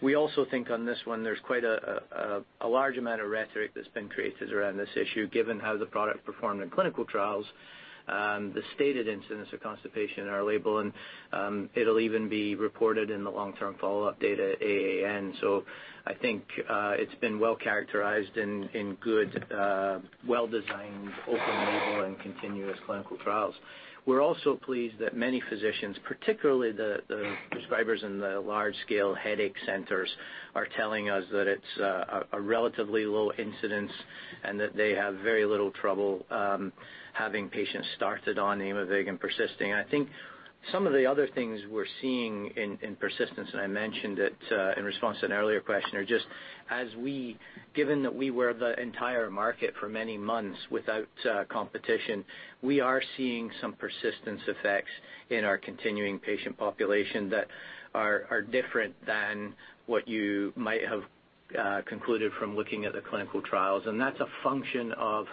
We also think on this one, there's quite a large amount of rhetoric that's been created around this issue, given how the product performed in clinical trials, the stated incidence of constipation in our label, and it'll even be reported in the long-term follow-up data at AAN. I think it's been well-characterized in good, well-designed open label and continuous clinical trials. We're also pleased that many physicians, particularly the prescribers in the large-scale headache centers, are telling us that it's a relatively low incidence, and that they have very little trouble having patients started on Aimovig and persisting. I think some of the other things we're seeing in persistence, and I mentioned it in response to an earlier question, are just, given that we were the entire market for many months without competition, we are seeing some persistence effects in our continuing patient population that are different than what you might have concluded from looking at the clinical trials. That's a function of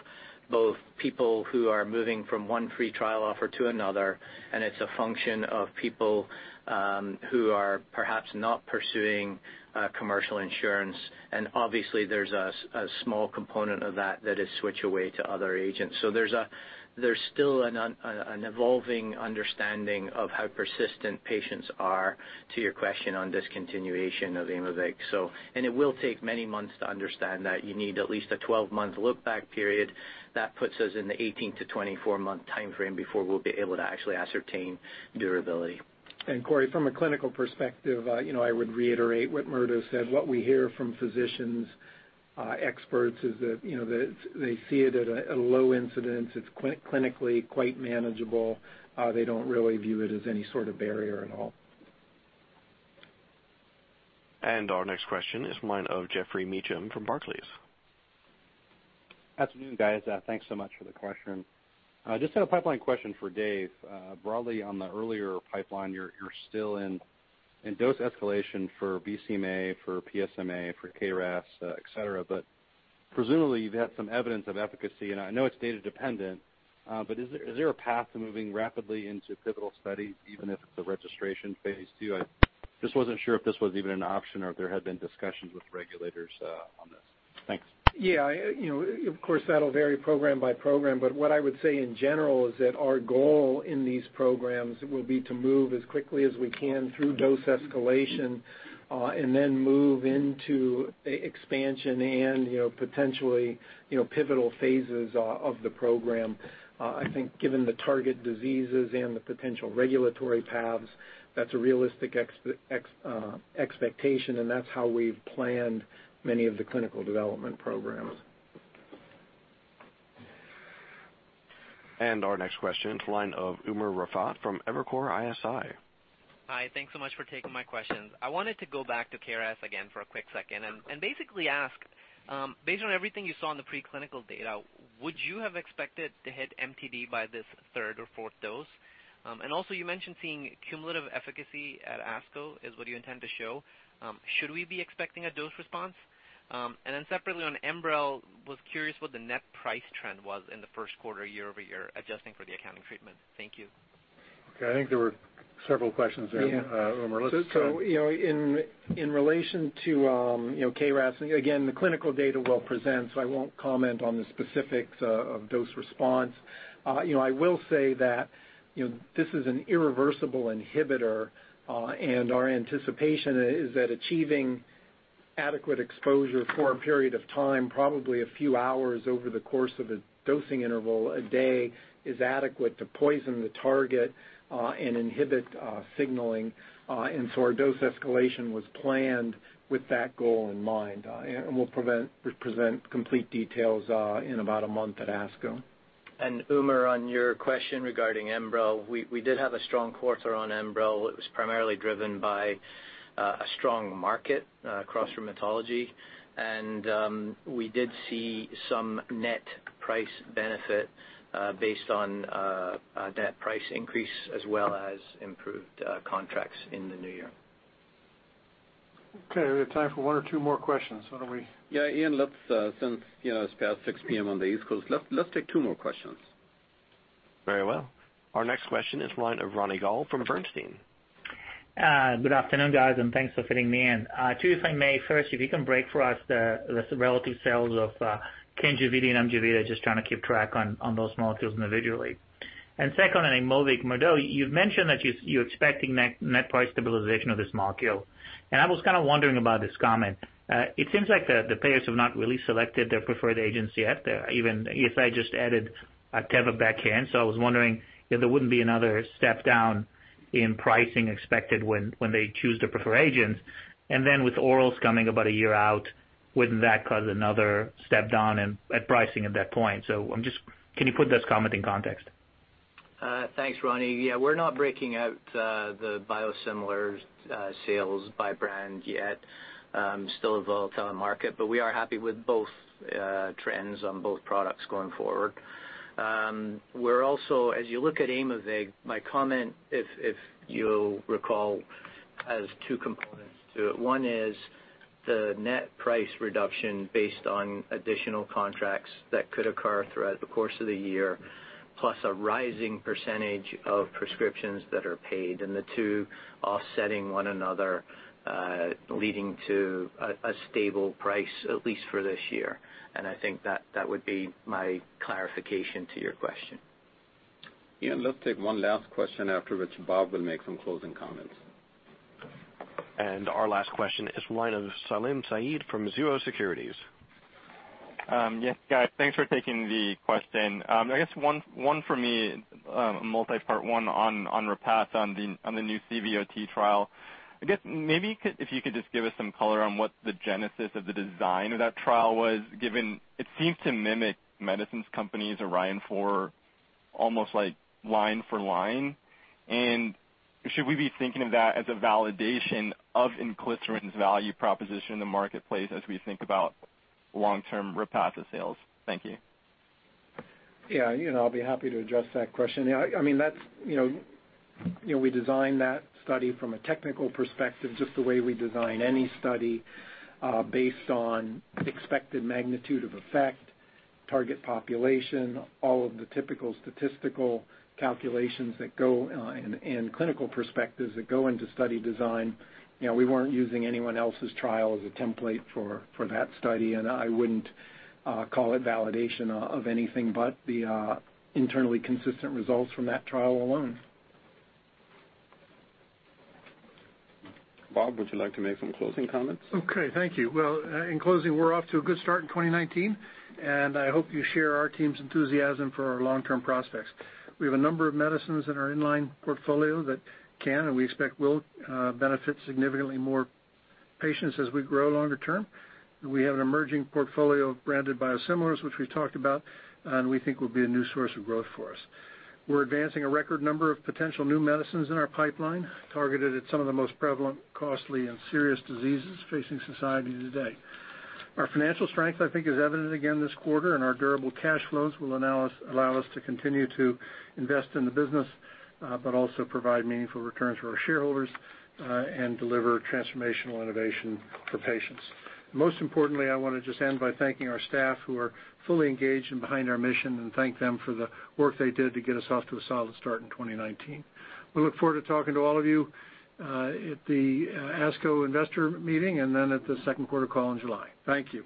both people who are moving from one free trial offer to another, and it's a function of people who are perhaps not pursuing commercial insurance. Obviously there's a small component of that that is switch away to other agents. There's still an evolving understanding of how persistent patients are to your question on discontinuation of Aimovig. It will take many months to understand that. You need at least a 12-month look back period. That puts us in the 18-24-month timeframe before we'll be able to actually ascertain durability. Cory, from a clinical perspective, I would reiterate what Murdo said. What we hear from physicians, experts, is that they see it at a low incidence. It's clinically quite manageable. They don't really view it as any sort of barrier at all. Our next question is the line of Geoffrey Meacham from Barclays. Afternoon, guys. Thanks so much for the question. Just had a pipeline question for Dave. Broadly on the earlier pipeline, you're still in dose escalation for BCMA, for PSMA, for KRAS, et cetera, presumably you've had some evidence of efficacy, and I know it's data dependent. Is there a path to moving rapidly into pivotal studies, even if it's a registration phase II? I just wasn't sure if this was even an option or if there had been discussions with regulators on this. Thanks. Yeah. Of course, that'll vary program by program, but what I would say in general is that our goal in these programs will be to move as quickly as we can through dose escalation, and then move into expansion and potentially pivotal phases of the program. I think given the target diseases and the potential regulatory paths, that's a realistic expectation, and that's how we've planned many of the clinical development programs. Our next question to the line of Umer Raffat from Evercore ISI. Hi. Thanks so much for taking my questions. I wanted to go back to KRAS again for a quick second, and basically ask, based on everything you saw in the pre-clinical data, would you have expected to hit MTD by this third or fourth dose? Also, you mentioned seeing cumulative efficacy at ASCO, is what you intend to show. Should we be expecting a dose response? Then separately on ENBREL, was curious what the net price trend was in the first quarter year-over-year, adjusting for the accounting treatment. Thank you. Okay. I think there were several questions there, Umer. In relation to KRAS, again, the clinical data we'll present, so I won't comment on the specifics of dose response. I will say that this is an irreversible inhibitor, and our anticipation is that achieving adequate exposure for a period of time, probably a few hours over the course of a dosing interval a day, is adequate to poison the target, and inhibit signaling. Our dose escalation was planned with that goal in mind, and we'll present complete details in about a month at ASCO. Umer, on your question regarding ENBREL, we did have a strong quarter on ENBREL. It was primarily driven by a strong market across rheumatology. We did see some net price benefit based on net price increase as well as improved contracts in the new year. Okay, we have time for one or two more questions. Why don't we- Ian, since it's past 6:00 P.M. on the East Coast, let's take two more questions. Very well. Our next question is line of Ronny Gal from Bernstein. Good afternoon, guys, and thanks for fitting me in. Two, if I may. First, if you can break for us the relative sales of KANJINTI and AMJEVITA, just trying to keep track on those molecules individually. Second, on Aimovig, Murdo, you've mentioned that you're expecting net price stabilization of this molecule, and I was kind of wondering about this comment. It seems like the payers have not really selected their preferred agents yet. Even ESI just added Teva back in. I was wondering if there wouldn't be another step down in pricing expected when they choose the preferred agents. With orals coming about a year out, wouldn't that cause another step down at pricing at that point? Can you put this comment in context? Thanks, Ronny. We're not breaking out the biosimilars sales by brand yet. Still evolved on the market, but we are happy with both trends on both products going forward. We're also, as you look at Aimovig, my comment, if you'll recall, has two components to it. One is the net price reduction based on additional contracts that could occur throughout the course of the year, plus a rising percentage of prescriptions that are paid, and the two offsetting one another leading to a stable price, at least for this year. I think that would be my clarification to your question. Ian, let's take one last question, after which Bob will make some closing comments. Our last question is line of Salim Syed from Mizuho Securities. Yes, guys, thanks for taking the question. I guess one for me, multi-part, one on Repatha on the new CVOT trial. I guess maybe if you could just give us some color on what the genesis of the design of that trial was, given it seemed to mimic The Medicines Company's ORION-4 almost line for line. Should we be thinking of that as a validation of inclisiran's value proposition in the marketplace as we think about long-term Repatha sales? Thank you. Yeah, I'll be happy to address that question. We designed that study from a technical perspective, just the way we design any study, based on expected magnitude of effect, target population, all of the typical statistical calculations and clinical perspectives that go into study design. We weren't using anyone else's trial as a template for that study. I wouldn't call it validation of anything but the internally consistent results from that trial alone. Bob, would you like to make some closing comments? Okay, thank you. In closing, we're off to a good start in 2019, and I hope you share our team's enthusiasm for our long-term prospects. We have a number of medicines in our in-line portfolio that can, and we expect will, benefit significantly more patients as we grow longer term. We have an emerging portfolio of branded biosimilars, which we've talked about, and we think will be a new source of growth for us. We're advancing a record number of potential new medicines in our pipeline targeted at some of the most prevalent, costly, and serious diseases facing society today. Our financial strength, I think, is evident again this quarter, and our durable cash flows will allow us to continue to invest in the business, but also provide meaningful returns for our shareholders, and deliver transformational innovation for patients. Most importantly, I want to just end by thanking our staff who are fully engaged and behind our mission, and thank them for the work they did to get us off to a solid start in 2019. We look forward to talking to all of you at the ASCO Investor Meeting and then at the second quarter call in July. Thank you.